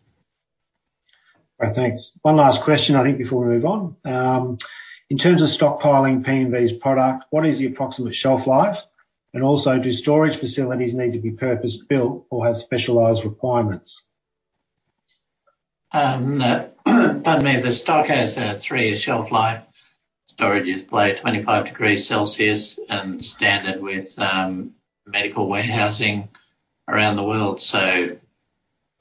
Right. Thanks. One last question, I think before we move on. "In terms of stockpiling PNV's product, what is the approximate shelf life, and also do storage facilities need to be purpose-built or have specialized requirements? Pardon me. The stock has a three-year shelf life. Storage is below 25 degrees Celsius and standard with medical warehousing around the world.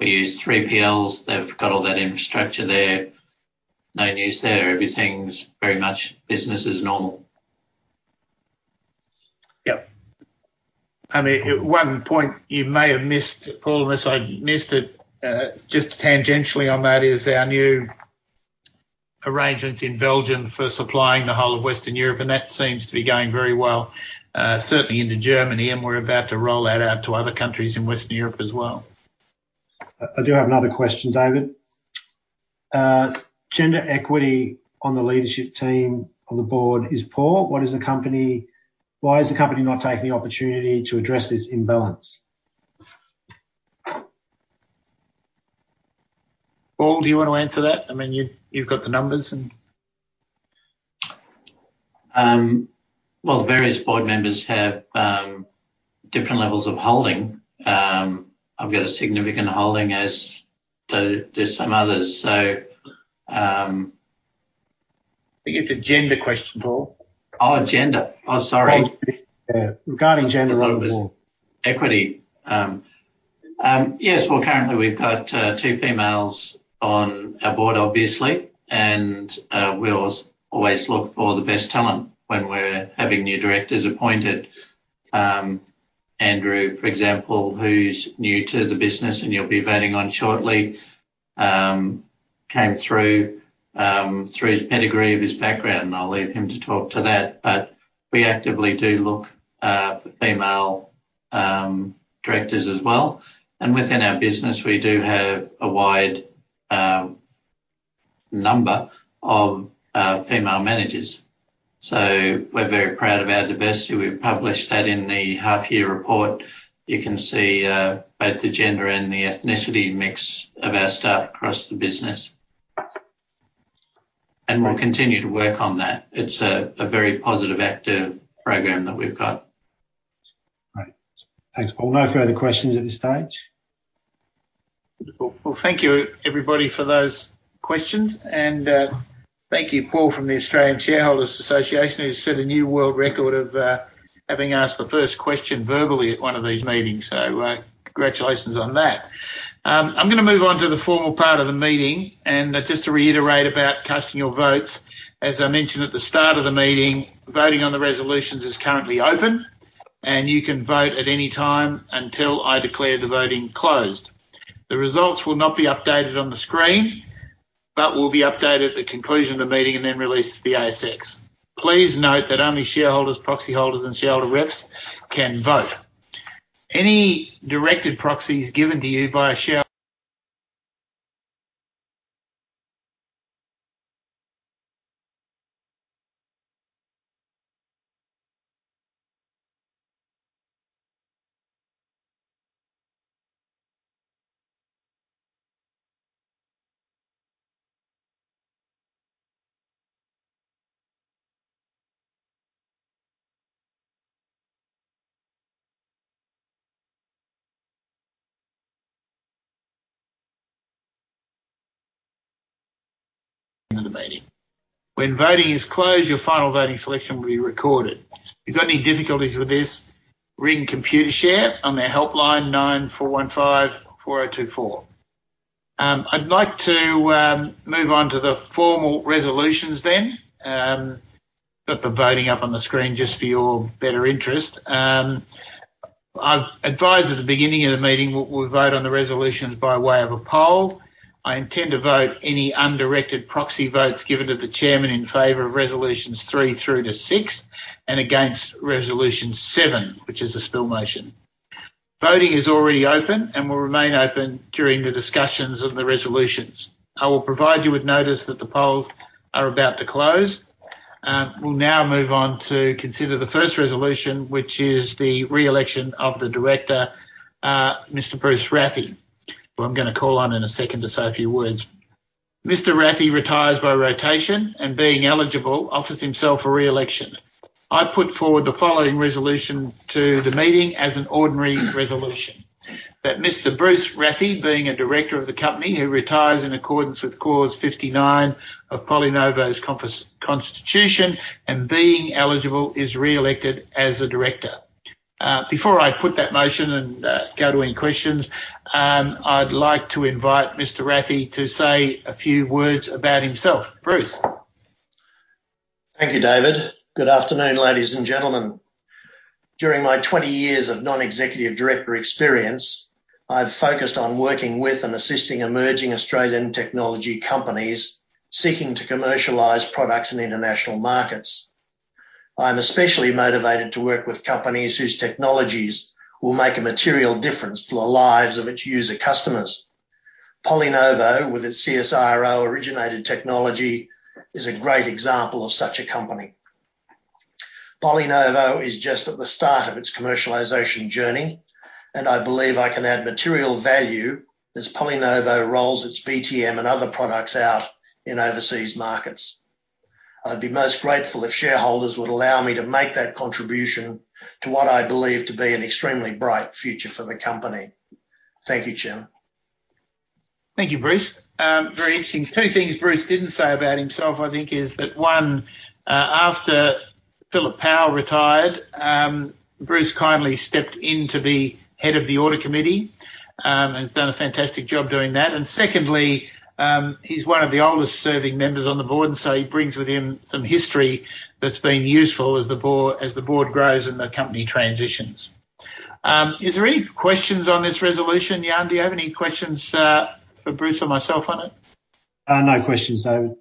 We use 3PLs. They've got all that infrastructure there. No news there. Everything's very much business as normal. Yep. I mean, at one point, you may have missed, Paul, unless I missed it, just tangentially on that is our new arrangements in Belgium for supplying the whole of Western Europe, and that seems to be going very well, certainly into Germany, and we're about to roll that out to other countries in Western Europe as well. I do have another question, David. "Gender equity on the leadership team on the board is poor. Why is the company not taking the opportunity to address this imbalance? Paul, do you wanna answer that? I mean, you've got the numbers and Well, various board members have different levels of holding. I've got a significant holding as do some others. I think it's an agenda question, Paul. Oh, gender. Oh, sorry. Yeah. Regarding gender. Equity. Yes. Well, currently, we've got two females on our board, obviously. We always look for the best talent when we're having new directors appointed. Andrew, for example, who's new to the business, and you'll be voting on shortly, came through his pedigree of his background, and I'll leave him to talk to that. We actively do look for female directors as well. Within our business, we do have a wide number of female managers. We're very proud of our diversity. We've published that in the half year report. You can see both the gender and the ethnicity mix of our staff across the business. We'll continue to work on that. It's a very positive, active program that we've got. Great. Thanks, Paul. No further questions at this stage. Well, thank you everybody for those questions. Thank you, Paul, from the Australian Shareholders' Association, who set a new world record of having asked the 1st question verbally at one of these meetings. Congratulations on that. I'm gonna move on to the formal part of the meeting. Just to reiterate about casting your votes, as I mentioned at the start of the meeting, voting on the resolutions is currently open, and you can vote at any time until I declare the voting closed. The results will not be updated on the screen, but will be updated at the conclusion of the meeting and then released to the ASX. Please note that only shareholders, proxy holders, and shareholder reps can vote. Any directed proxies given to you by a shareholder in the meeting. When voting is closed, your final voting selection will be recorded. If you've got any difficulties with this, ring Computershare on their helpline 9415 4024. I'd like to move on to the formal resolutions then. Put the voting up on the screen just for your better interest. I've advised at the beginning of the meeting we'll vote on the resolutions by way of a poll. I intend to vote any undirected proxy votes given to the chairman in favor of Resolutions 3 through to 6 and against Resolution 7, which is a spill motion. Voting is already open and will remain open during the discussions of the resolutions. I will provide you with notice that the polls are about to close. We'll now move on to consider the 1st resolution, which is the re-election of the director, Mr. Bruce Rathie, who I'm gonna call on in a 2nd to say a few words. Mr. Rathie retires by rotation and being eligible offers himself a re-election. I put forward the following resolution to the meeting as an ordinary resolution, that Mr. Bruce Rathie, being a director of the company, who retires in accordance with Clause 59 of PolyNovo's constitution and being eligible, is re-elected as a director. Before I put that motion and go to any questions, I'd like to invite Mr. Rathie to say a few words about himself. Bruce. Thank you, David. Good afternoon, ladies and gentlemen. During my 20 years of non-executive director experience, I've focused on working with and assisting emerging Australian technology companies seeking to commercialize products in international markets. I'm especially motivated to work with companies whose technologies will make a material difference to the lives of its user customers. PolyNovo, with its CSIRO-originated technology, is a great example of such a company. PolyNovo is just at the start of its commercialization journey, and I believe I can add material value as PolyNovo rolls its BTM and other products out in overseas markets. I'd be most grateful if shareholders would allow me to make that contribution to what I believe to be an extremely bright future for the company. Thank you, Chair. Thank you, Bruce. Very interesting. Two things Bruce didn't say about himself, I think, is that, one, after Philip Powell retired, Bruce kindly stepped in to be head of the audit committee, and has done a fantastic job doing that. Secondly, he's one of the oldest serving members on the board, and so he brings with him some history that's been useful as the board grows and the company transitions. Is there any questions on this resolution? Jan, do you have any questions, for Bruce or myself on it? No questions, David.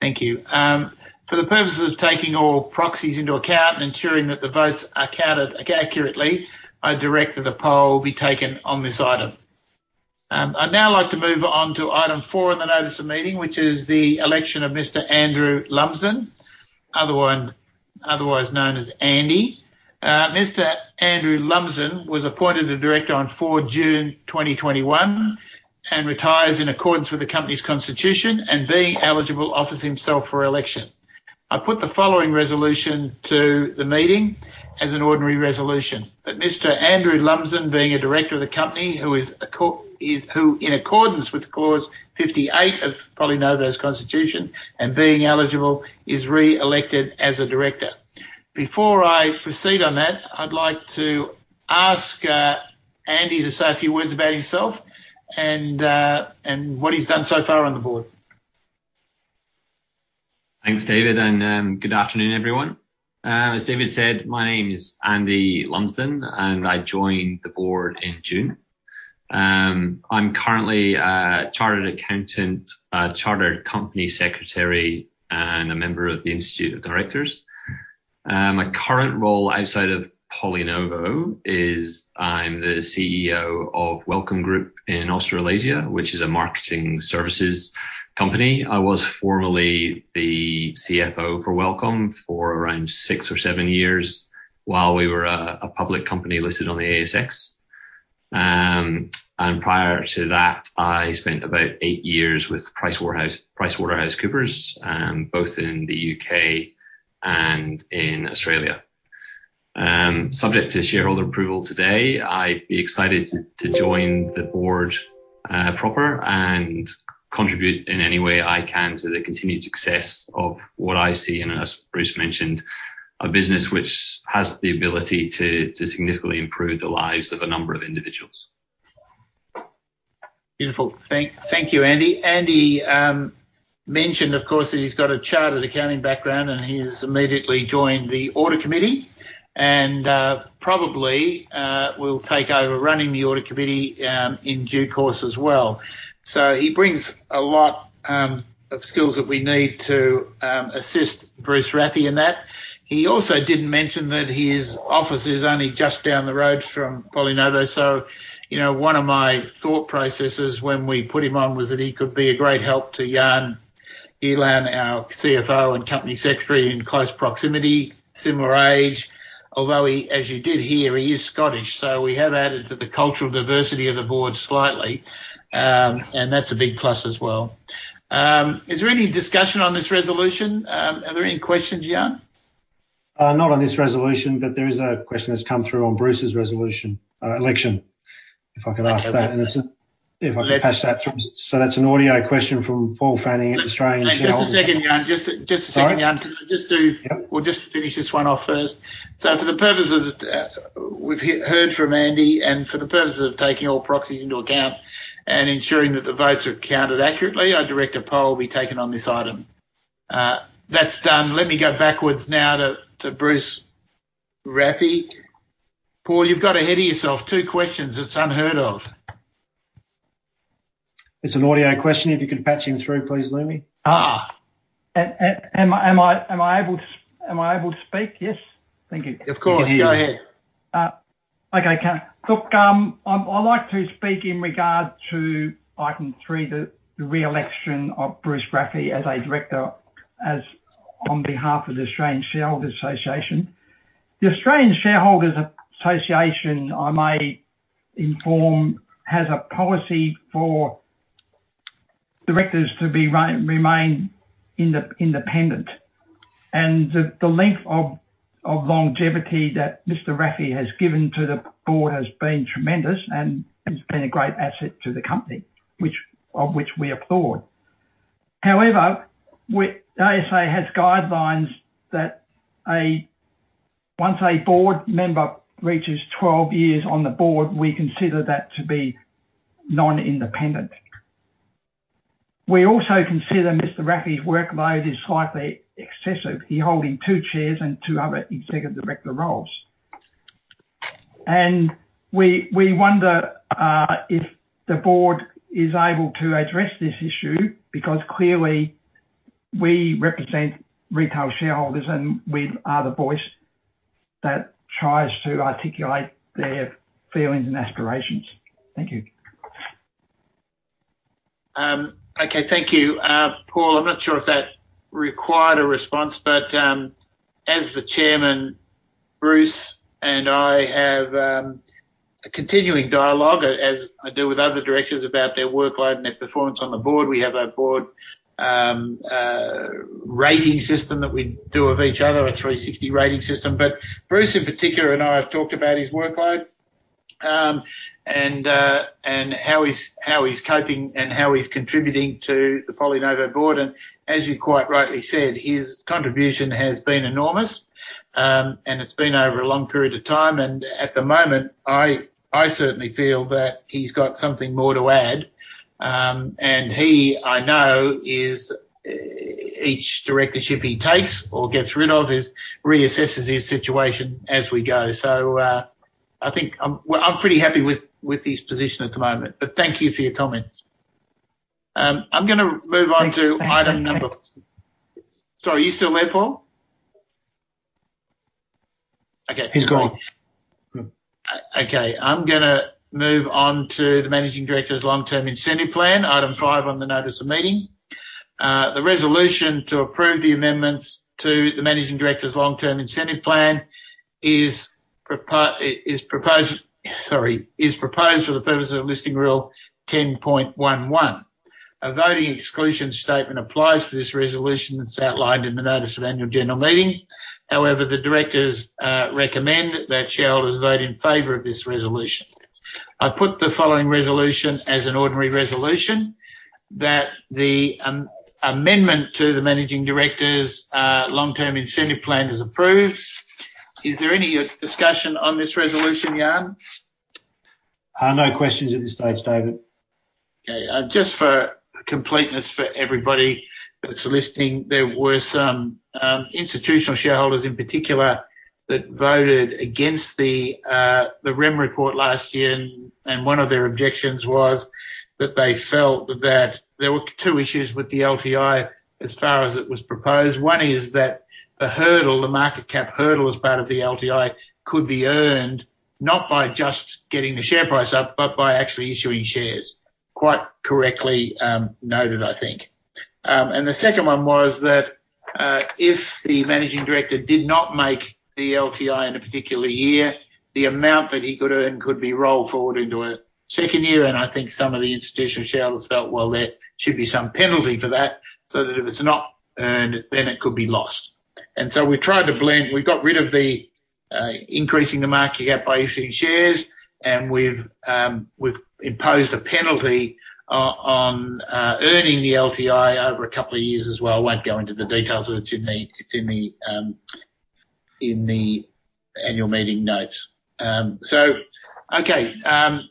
Thank you. For the purposes of taking all proxies into account and ensuring that the votes are counted accurately, I direct that a poll be taken on this item. I'd now like to move on to item 4 in the notice of meeting, which is the election of Mr. Andrew Lumsden, otherwise known as Andy. Mr. Andrew Lumsden was appointed a director on June 4, 2021 and retires in accordance with the company's constitution, and being eligible, offers himself for election. I put the following resolution to the meeting as an ordinary resolution. That Mr. Andrew Lumsden, being a director of the company, who is, who in accordance with Clause 58 of PolyNovo's constitution and being eligible, is re-elected as a director. Before I proceed on that, I'd like to ask, Andy to say a few words about himself and what he's done so far on the board. Thanks, David. Good afternoon, everyone. As David said, my name is Andy Lumsden, and I joined the board in June. I'm currently a chartered accountant, a chartered company secretary, and a member of the Institute of Directors. My current role outside of PolyNovo is I'm the CEO of Wellcom in Australasia, which is a marketing services company. I was formerly the CFO for Wellcom for around six or seven years while we were a public company listed on the ASX. Prior to that, I spent about eight years with PricewaterhouseCoopers, both in the U.K. and in Australia. Subject to shareholder approval today, I'd be excited to join the board proper and contribute in any way I can to the continued success of what I see, and as Bruce mentioned, a business which has the ability to significantly improve the lives of a number of individuals. Beautiful. Thank you, Andy. Andy mentioned of course that he's got a chartered accounting background, and he's immediately joined the audit committee. Probably will take over running the audit committee in due course as well. He brings a lot of skills that we need to assist Bruce Rathie in that. He also didn't mention that his office is only just down the road from PolyNovo. You know, one of my thought processes when we put him on was that he could be a great help to Jan Gielen, our CFO and Company Secretary, in close proximity, similar age. Although he, as you did hear, is Scottish, so we have added to the cultural diversity of the board slightly. That's a big plus as well. Is there any discussion on this resolution? Are there any questions, Jan? Not on this resolution, but there is a question that's come through on Bruce's resolution, election. If I could ask that. Okay. If I could patch that through. That's an audio question from Paul Fanning at Australian Shareholders Association. Just a second, Jan. Sorry? Can I just do- Yeah. We'll just finish this one off 1st. We've heard from Andy, and for the purpose of taking all proxies into account and ensuring that the votes are counted accurately, I direct a poll be taken on this item. That's done. Let me go backwards now to Bruce Rathie. Paul, you've got ahead of yourself. Two questions, it's unheard of. It's an audio question, if you could patch him through, please, Lumi. Ah. Am I able to speak? Yes? Thank you. Of course. Go ahead. Okay. Look, I'd like to speak in regard to item three, the re-election of Bruce Rathie as a director, on behalf of the Australian Shareholders' Association. The Australian Shareholders' Association, I may inform, has a policy for directors to remain independent. The length of longevity that Mr. Rathie has given to the board has been tremendous and has been a great asset to the company, which we applaud. However, ASA has guidelines that once a board member reaches 12 years on the board, we consider that to be non-independent. We also consider Mr. Rathie's workload is slightly excessive. He holding two chairs and two other executive director roles. We wonder if the board is able to address this issue because clearly we represent retail shareholders and we are the voice that tries to articulate their feelings and aspirations. Thank you. Paul, I'm not sure if that required a response, but as the Chairman, Bruce and I have a continuing dialogue, as I do with other directors, about their workload and their performance on the board. We have a board rating system that we do of each other, a 360 rating system. But Bruce in particular and I have talked about his workload, and how he's coping and how he's contributing to the PolyNovo board. As you quite rightly said, his contribution has been enormous, and it's been over a long period of time. At the moment, I certainly feel that he's got something more to add. He, I know, reassesses his situation as we go. I think I'm pretty happy with his position at the moment. Thank you for your comments. I'm gonna move on to item number- Thank you. Sorry, are you still there, Paul? Okay. He's gone. Okay. I'm gonna move on to the Managing Director's long-term incentive plan, item 5 on the notice of meeting. The resolution to approve the amendments to the Managing Director's long-term incentive plan is proposed for the purpose of Listing Rule 10.11. A voting exclusion statement applies for this resolution that's outlined in the notice of annual general meeting. However, the directors recommend that shareholders vote in favor of this resolution. I put the following resolution as an Ordinary Resolution that the amendment to the Managing Director's long-term incentive plan is approved. Is there any discussion on this resolution, Jan? No questions at this stage, David. Okay. Just for completeness for everybody that's listening, there were some institutional shareholders in particular that voted against the REM report last year, and one of their objections was that they felt that there were two issues with the LTI as far as it was proposed. One is that the hurdle, the market cap hurdle as part of the LTI could be earned not by just getting the share price up but by actually issuing shares. Quite correctly noted, I think. The 2nd one was that if the Managing Director did not make the LTI in a particular year, the amount that he could earn could be rolled forward into a 2nd year, and I think some of the institutional shareholders felt, well, there should be some penalty for that so that if it's not earned, then it could be lost. We tried to blend. We got rid of increasing the market cap by issuing shares, and we've imposed a penalty on earning the LTI over a couple of years as well. I won't go into the details of it. It's in the annual meeting notes. Okay.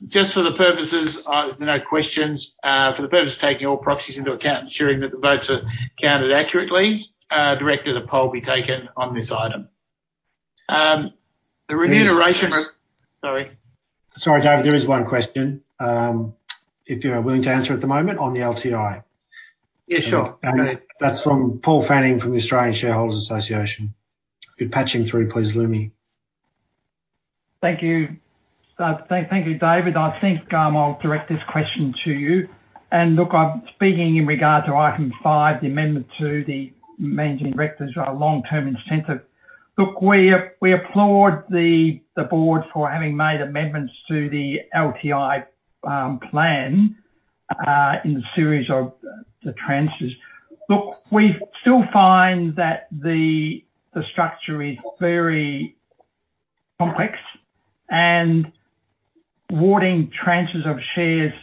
Just for the purpose of taking all proxies into account, ensuring that the votes are counted accurately, I declare the poll be taken on this item. The remuneration- There is- Sorry. Sorry, David. There is one question, if you are willing to answer at the moment on the LTI. Yeah, sure. That's from Paul Fanning from the Australian Shareholders' Association. If you'd patch him through, please, Lumi. Thank you. Thank you, David. I think I'll direct this question to you. Look, I'm speaking in regard to Item 5, the amendment to the Managing Director's long-term incentive. Look, we applaud the Board for having made amendments to the LTI plan in the series of the tranches. Look, we still find that the structure is very complex and awarding tranches of shares,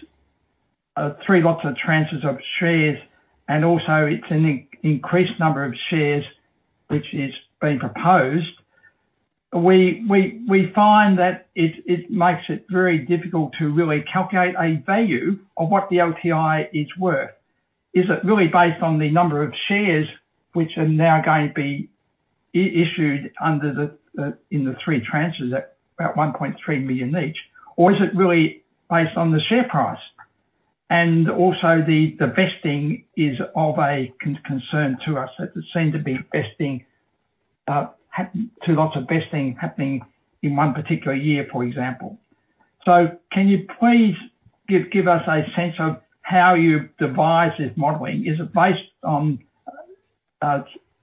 three lots of tranches of shares, and also it's an increased number of shares which is being proposed. We find that it makes it very difficult to really calculate a value of what the LTI is worth. Is it really based on the number of shares which are now going to be issued under the in the three tranches at about 1.3 million each? Is it really based on the share price? Also the vesting is of a concern to us, that there seem to be two lots of vesting happening in one particular year, for example. Can you please give us a sense of how you devise this modeling? Is it based on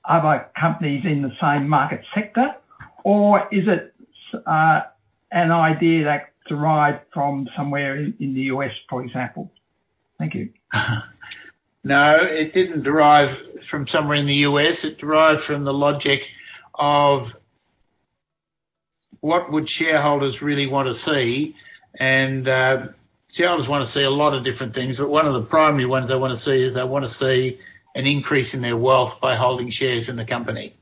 other companies in the same market sector? Is it an idea that derived from somewhere in the U.S., for example? Thank you. No, it didn't derive from somewhere in the U.S. It derived from the logic of what would shareholders really want to see. Shareholders want to see a lot of different things, but one of the primary ones they wanna see is they wanna see an increase in their wealth by holding shares in the company.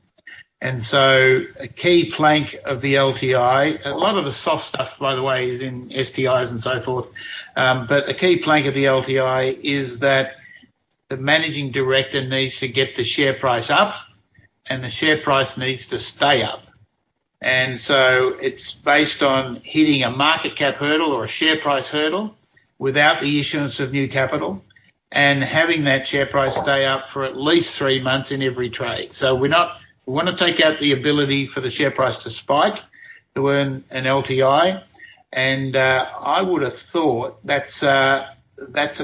A key plank of the LTI, a lot of the soft stuff, by the way, is in STIs and so forth. A key plank of the LTI is that the managing director needs to get the share price up, and the share price needs to stay up. It's based on hitting a market cap hurdle or a share price hurdle without the issuance of new capital, and having that share price stay up for at least three months in every trade. We're not... We wanna take out the ability for the share price to spike to earn an LTI. I would have thought that's a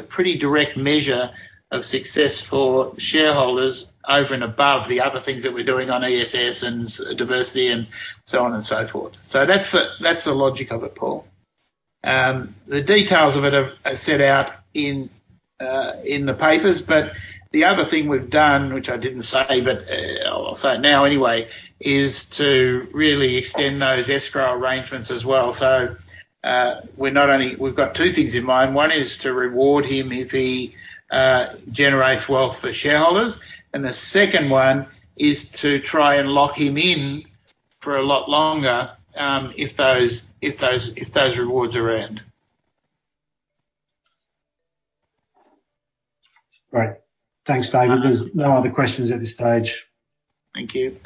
pretty direct measure of success for shareholders over and above the other things that we're doing on ESG and diversity and so on and so forth. That's the logic of it, Paul. The details of it are set out in the papers. The other thing we've done, which I didn't say, but I'll say it now anyway, is to really extend those escrow arrangements as well. We're not only. We've got two things in mind. One is to reward him if he generates wealth for shareholders, and the 2nd one is to try and lock him in for a lot longer, if those rewards are earned. Great. Thanks, David. There's no other questions at this stage. Thank you.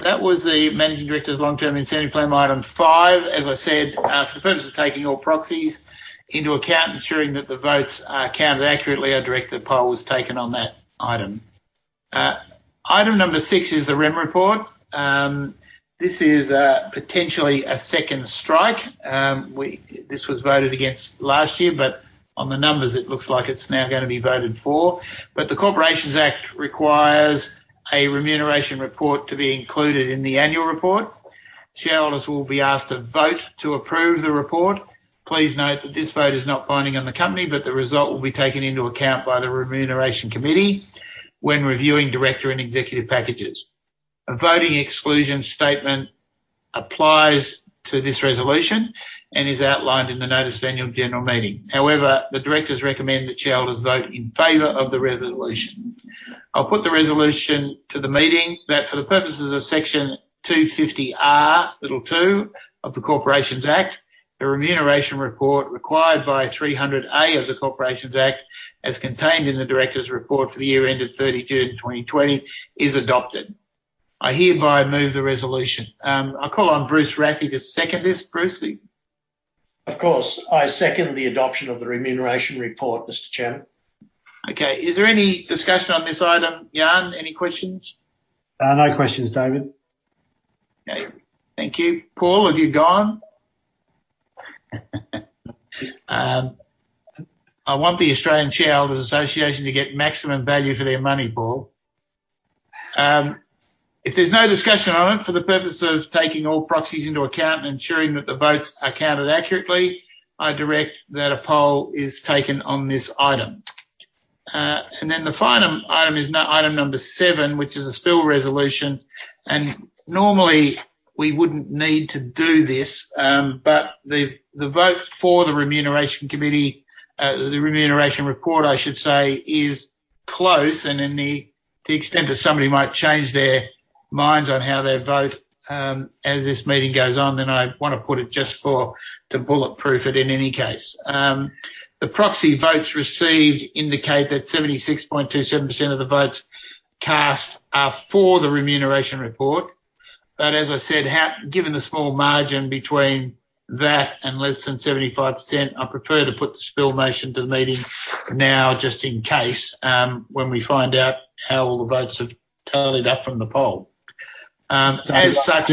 That was the Managing Director's long-term incentive plan, item 5. As I said, for the purpose of taking all proxies into account ensuring that the votes are counted accurately, our director poll was taken on that item. Item number 6 is the REM report. This is potentially a 2nd strike. This was voted against last year, but on the numbers, it looks like it's now gonna be voted for. The Corporations Act requires a remuneration report to be included in the annual report. Shareholders will be asked to vote to approve the report. Please note that this vote is not binding on the company, but the result will be taken into account by the Remuneration Committee when reviewing director and executive packages. A voting exclusion statement applies to this resolution and is outlined in the Notice of Annual General Meeting. However, the directors recommend that shareholders vote in favor of the resolution. I'll put the resolution to the meeting that for the purposes of Section 250R(2) of the Corporations Act, the remuneration report required by Section 300A of the Corporations Act, as contained in the directors' report for the year ended June 30th 2020, is adopted. I hereby move the resolution. I'll call on Bruce Rathie to 2nd this. Bruce? Of course, I 2nd the adoption of the remuneration report, Mr. Chairman. Okay. Is there any discussion on this item? Jan, any questions? No questions, David. Thank you. Paul, have you gone? I want the Australian Shareholders' Association to get maximum value for their money, Paul. If there's no discussion on it for the purpose of taking all proxies into account and ensuring that the votes are counted accurately, I direct that a poll is taken on this item. Then the final item is now item number 7, which is a spill resolution. Normally, we wouldn't need to do this, but the vote for the Remuneration Committee, the remuneration report, I should say, is close. To the extent that somebody might change their minds on how they vote, as this meeting goes on, then I wanna put it just to bulletproof it in any case. The proxy votes received indicate that 76.27% of the votes cast are for the remuneration report. As I said, given the small margin between that and less than 75%, I prefer to put the spill motion to the meeting now, just in case, when we find out how all the votes have tallied up from the poll. As such-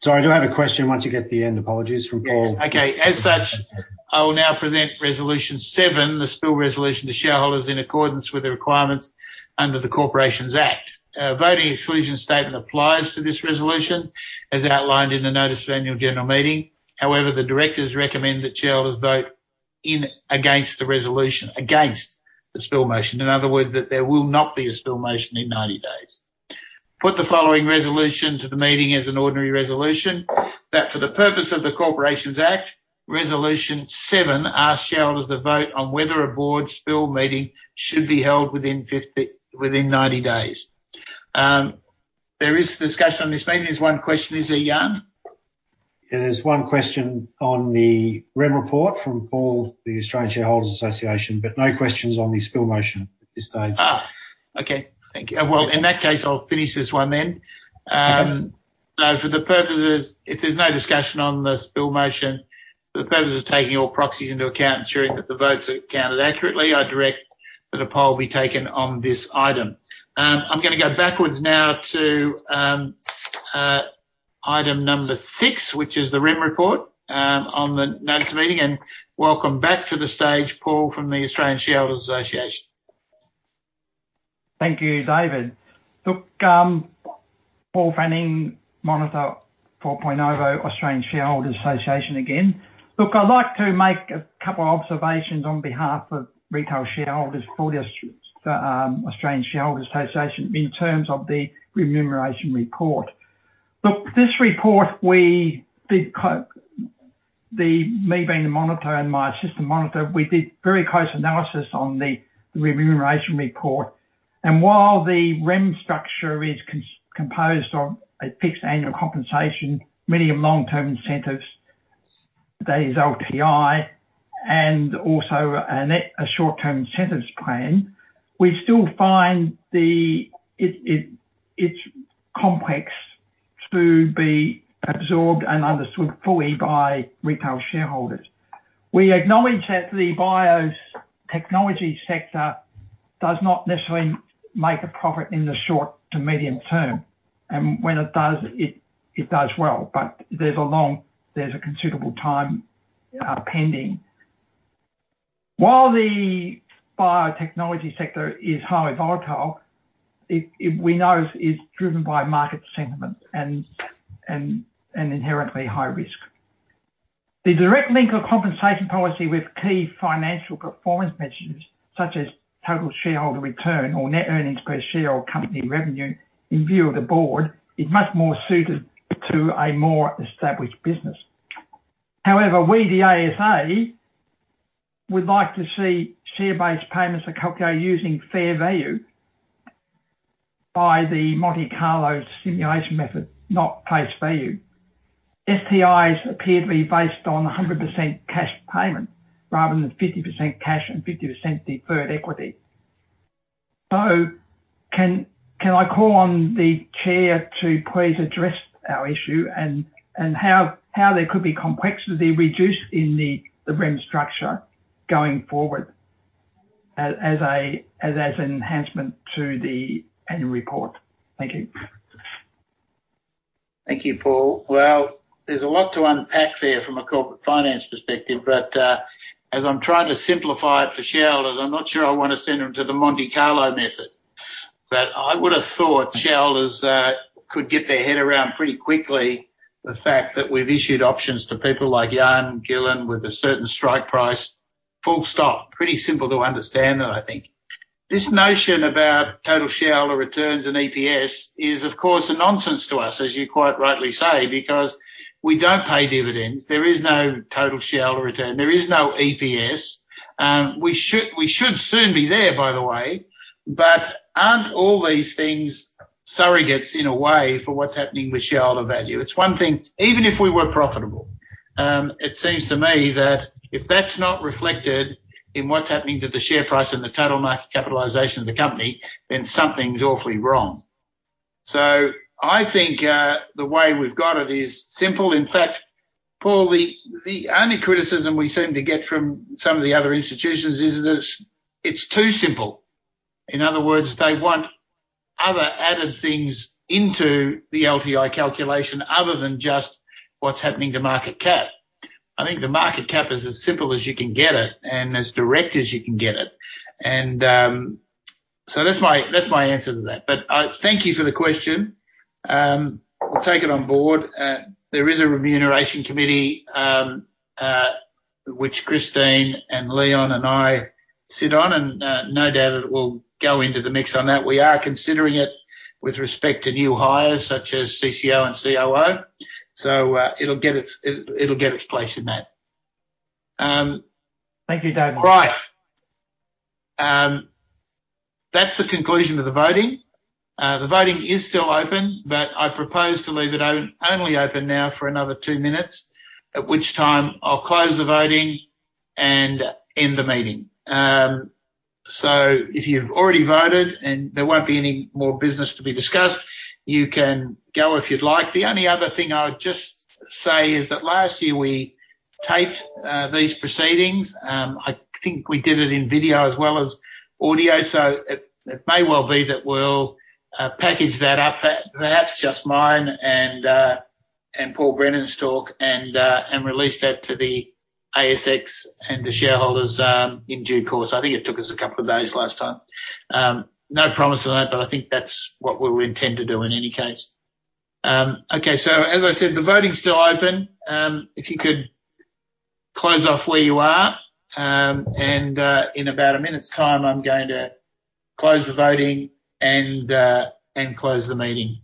Sorry, I do have a question once you get to the end. Apologies from Paul. Okay. As such, I will now present Resolution 7, the spill resolution to shareholders in accordance with the requirements under the Corporations Act. A voting exclusion statement applies to this resolution, as outlined in the notice of annual general meeting. However, the directors recommend that shareholders vote against the resolution, against the spill motion. In other words, that there will not be a spill motion in 90 days. Put the following resolution to the meeting as an ordinary resolution, that for the purpose of the Corporations Act, Resolution 7 asks shareholders to vote on whether a board spill meeting should be held within 90 days. There is discussion on this meeting. There's one question. Is there, Jan? Yeah, there's one question on the REM report from Paul Fanning, the Australian Shareholders' Association, but no questions on the spill motion at this stage. Okay. Thank you. Well, in that case, I'll finish this one then. Now for the purpose of this, if there's no discussion on the spill motion, for the purpose of taking all proxies into account, ensuring that the votes are counted accurately, I direct that a poll be taken on this item. I'm gonna go backwards now to item number six, which is the REM report on the notice of the meeting. Welcome back to the stage, Paul Fanning from the Australian Shareholders' Association. Thank you, David. Look, Paul Fanning, Monitor for PolyNovo, Australian Shareholders' Association again. Look, I'd like to make a couple observations on behalf of retail shareholders for the Australian Shareholders' Association in terms of the remuneration report. Look, this report, me being the monitor and my assistant monitor, we did very close analysis on the remuneration report. While the REM structure is composed of a fixed annual compensation, medium- to long-term incentives, that is LTI, and also a short-term incentives plan, we still find it's complex to be absorbed and understood fully by retail shareholders. We acknowledge that the biotechnology sector does not necessarily make a profit in the short to medium term. When it does, it does well. There's a considerable time pending. While the biotechnology sector is highly volatile, it we know is driven by market sentiment and inherently high risk. The direct link of compensation policy with key financial performance measures, such as total shareholder return or net earnings per share or company revenue in view of the board, is much more suited to a more established business. However, we, the ASA, would like to see share-based payments calculated using fair value by the Monte Carlo simulation method, not face value. STIs appear to be based on 100% cash payment rather than 50% cash and 50% deferred equity. Can I call on the chair to please address our issue and how there could be complexity reduced in the remuneration structure going forward as an enhancement to the annual report. Thank you. Thank you, Paul. Well, there's a lot to unpack there from a corporate finance perspective, but as I'm trying to simplify it for shareholders, I'm not sure I wanna send them to the Monte Carlo method. I would have thought shareholders could get their head around pretty quickly the fact that we've issued options to people like Jan Gielen with a certain strike price, full stop. Pretty simple to understand that, I think. This notion about total shareholder returns and EPS is of course a nonsense to us, as you quite rightly say, because we don't pay dividends. There is no total shareholder return. There is no EPS. We should soon be there, by the way, but aren't all these things surrogates in a way for what's happening with shareholder value? Even if we were profitable, it seems to me that if that's not reflected in what's happening to the share price and the total market capitalization of the company, then something's awfully wrong. I think the way we've got it is simple. In fact, Paul, the only criticism we seem to get from some of the other institutions is that it's too simple. In other words, they want other added things into the LTI calculation other than just what's happening to market cap. I think the market cap is as simple as you can get it and as direct as you can get it. That's my answer to that. Thank you for the question. We'll take it on board. There is a remuneration committee, which Christine and Leon and I sit on, and no doubt it will go into the mix on that. We are considering it with respect to new hires such as CCO and COO. It'll get its place in that. Thank you, Dave. Right. That's the conclusion of the voting. The voting is still open, but I propose to leave it only open now for another two minutes, at which time I'll close the voting and end the meeting. So if you've already voted and there won't be any more business to be discussed, you can go if you'd like. The only other thing I would just say is that last year we taped these proceedings. I think we did it in video as well as audio, so it may well be that we'll package that up, perhaps just mine and Paul Brennan's talk and release that to the ASX and the shareholders, in due course. I think it took us a couple of days last time. No promise on that, but I think that's what we'll intend to do in any case. Okay, so as I said, the voting's still open. If you could close off where you are, and in about a minute's time, I'm going to close the voting and close the meeting.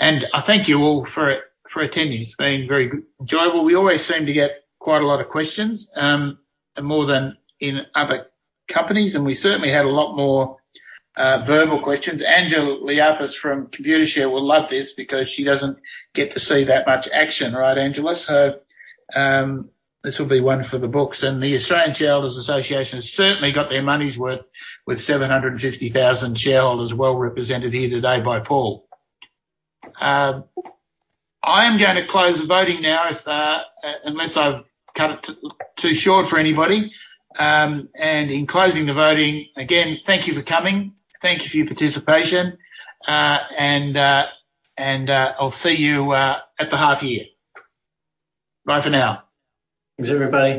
I thank you all for attending. It's been very enjoyable. We always seem to get quite a lot of questions, more than in other companies, and we certainly had a lot more verbal questions. Angela Liapis from Computershare will love this because she doesn't get to see that much action, right, Angela? This will be one for the books. The Australian Shareholders' Association has certainly got their money's worth with 750,000 shareholders well represented here today by Paul. I am gonna close the voting now unless I've cut it too short for anybody. In closing the voting, again, thank you for coming. Thank you for your participation. I'll see you at the half year. Bye for now. Cheers, everybody.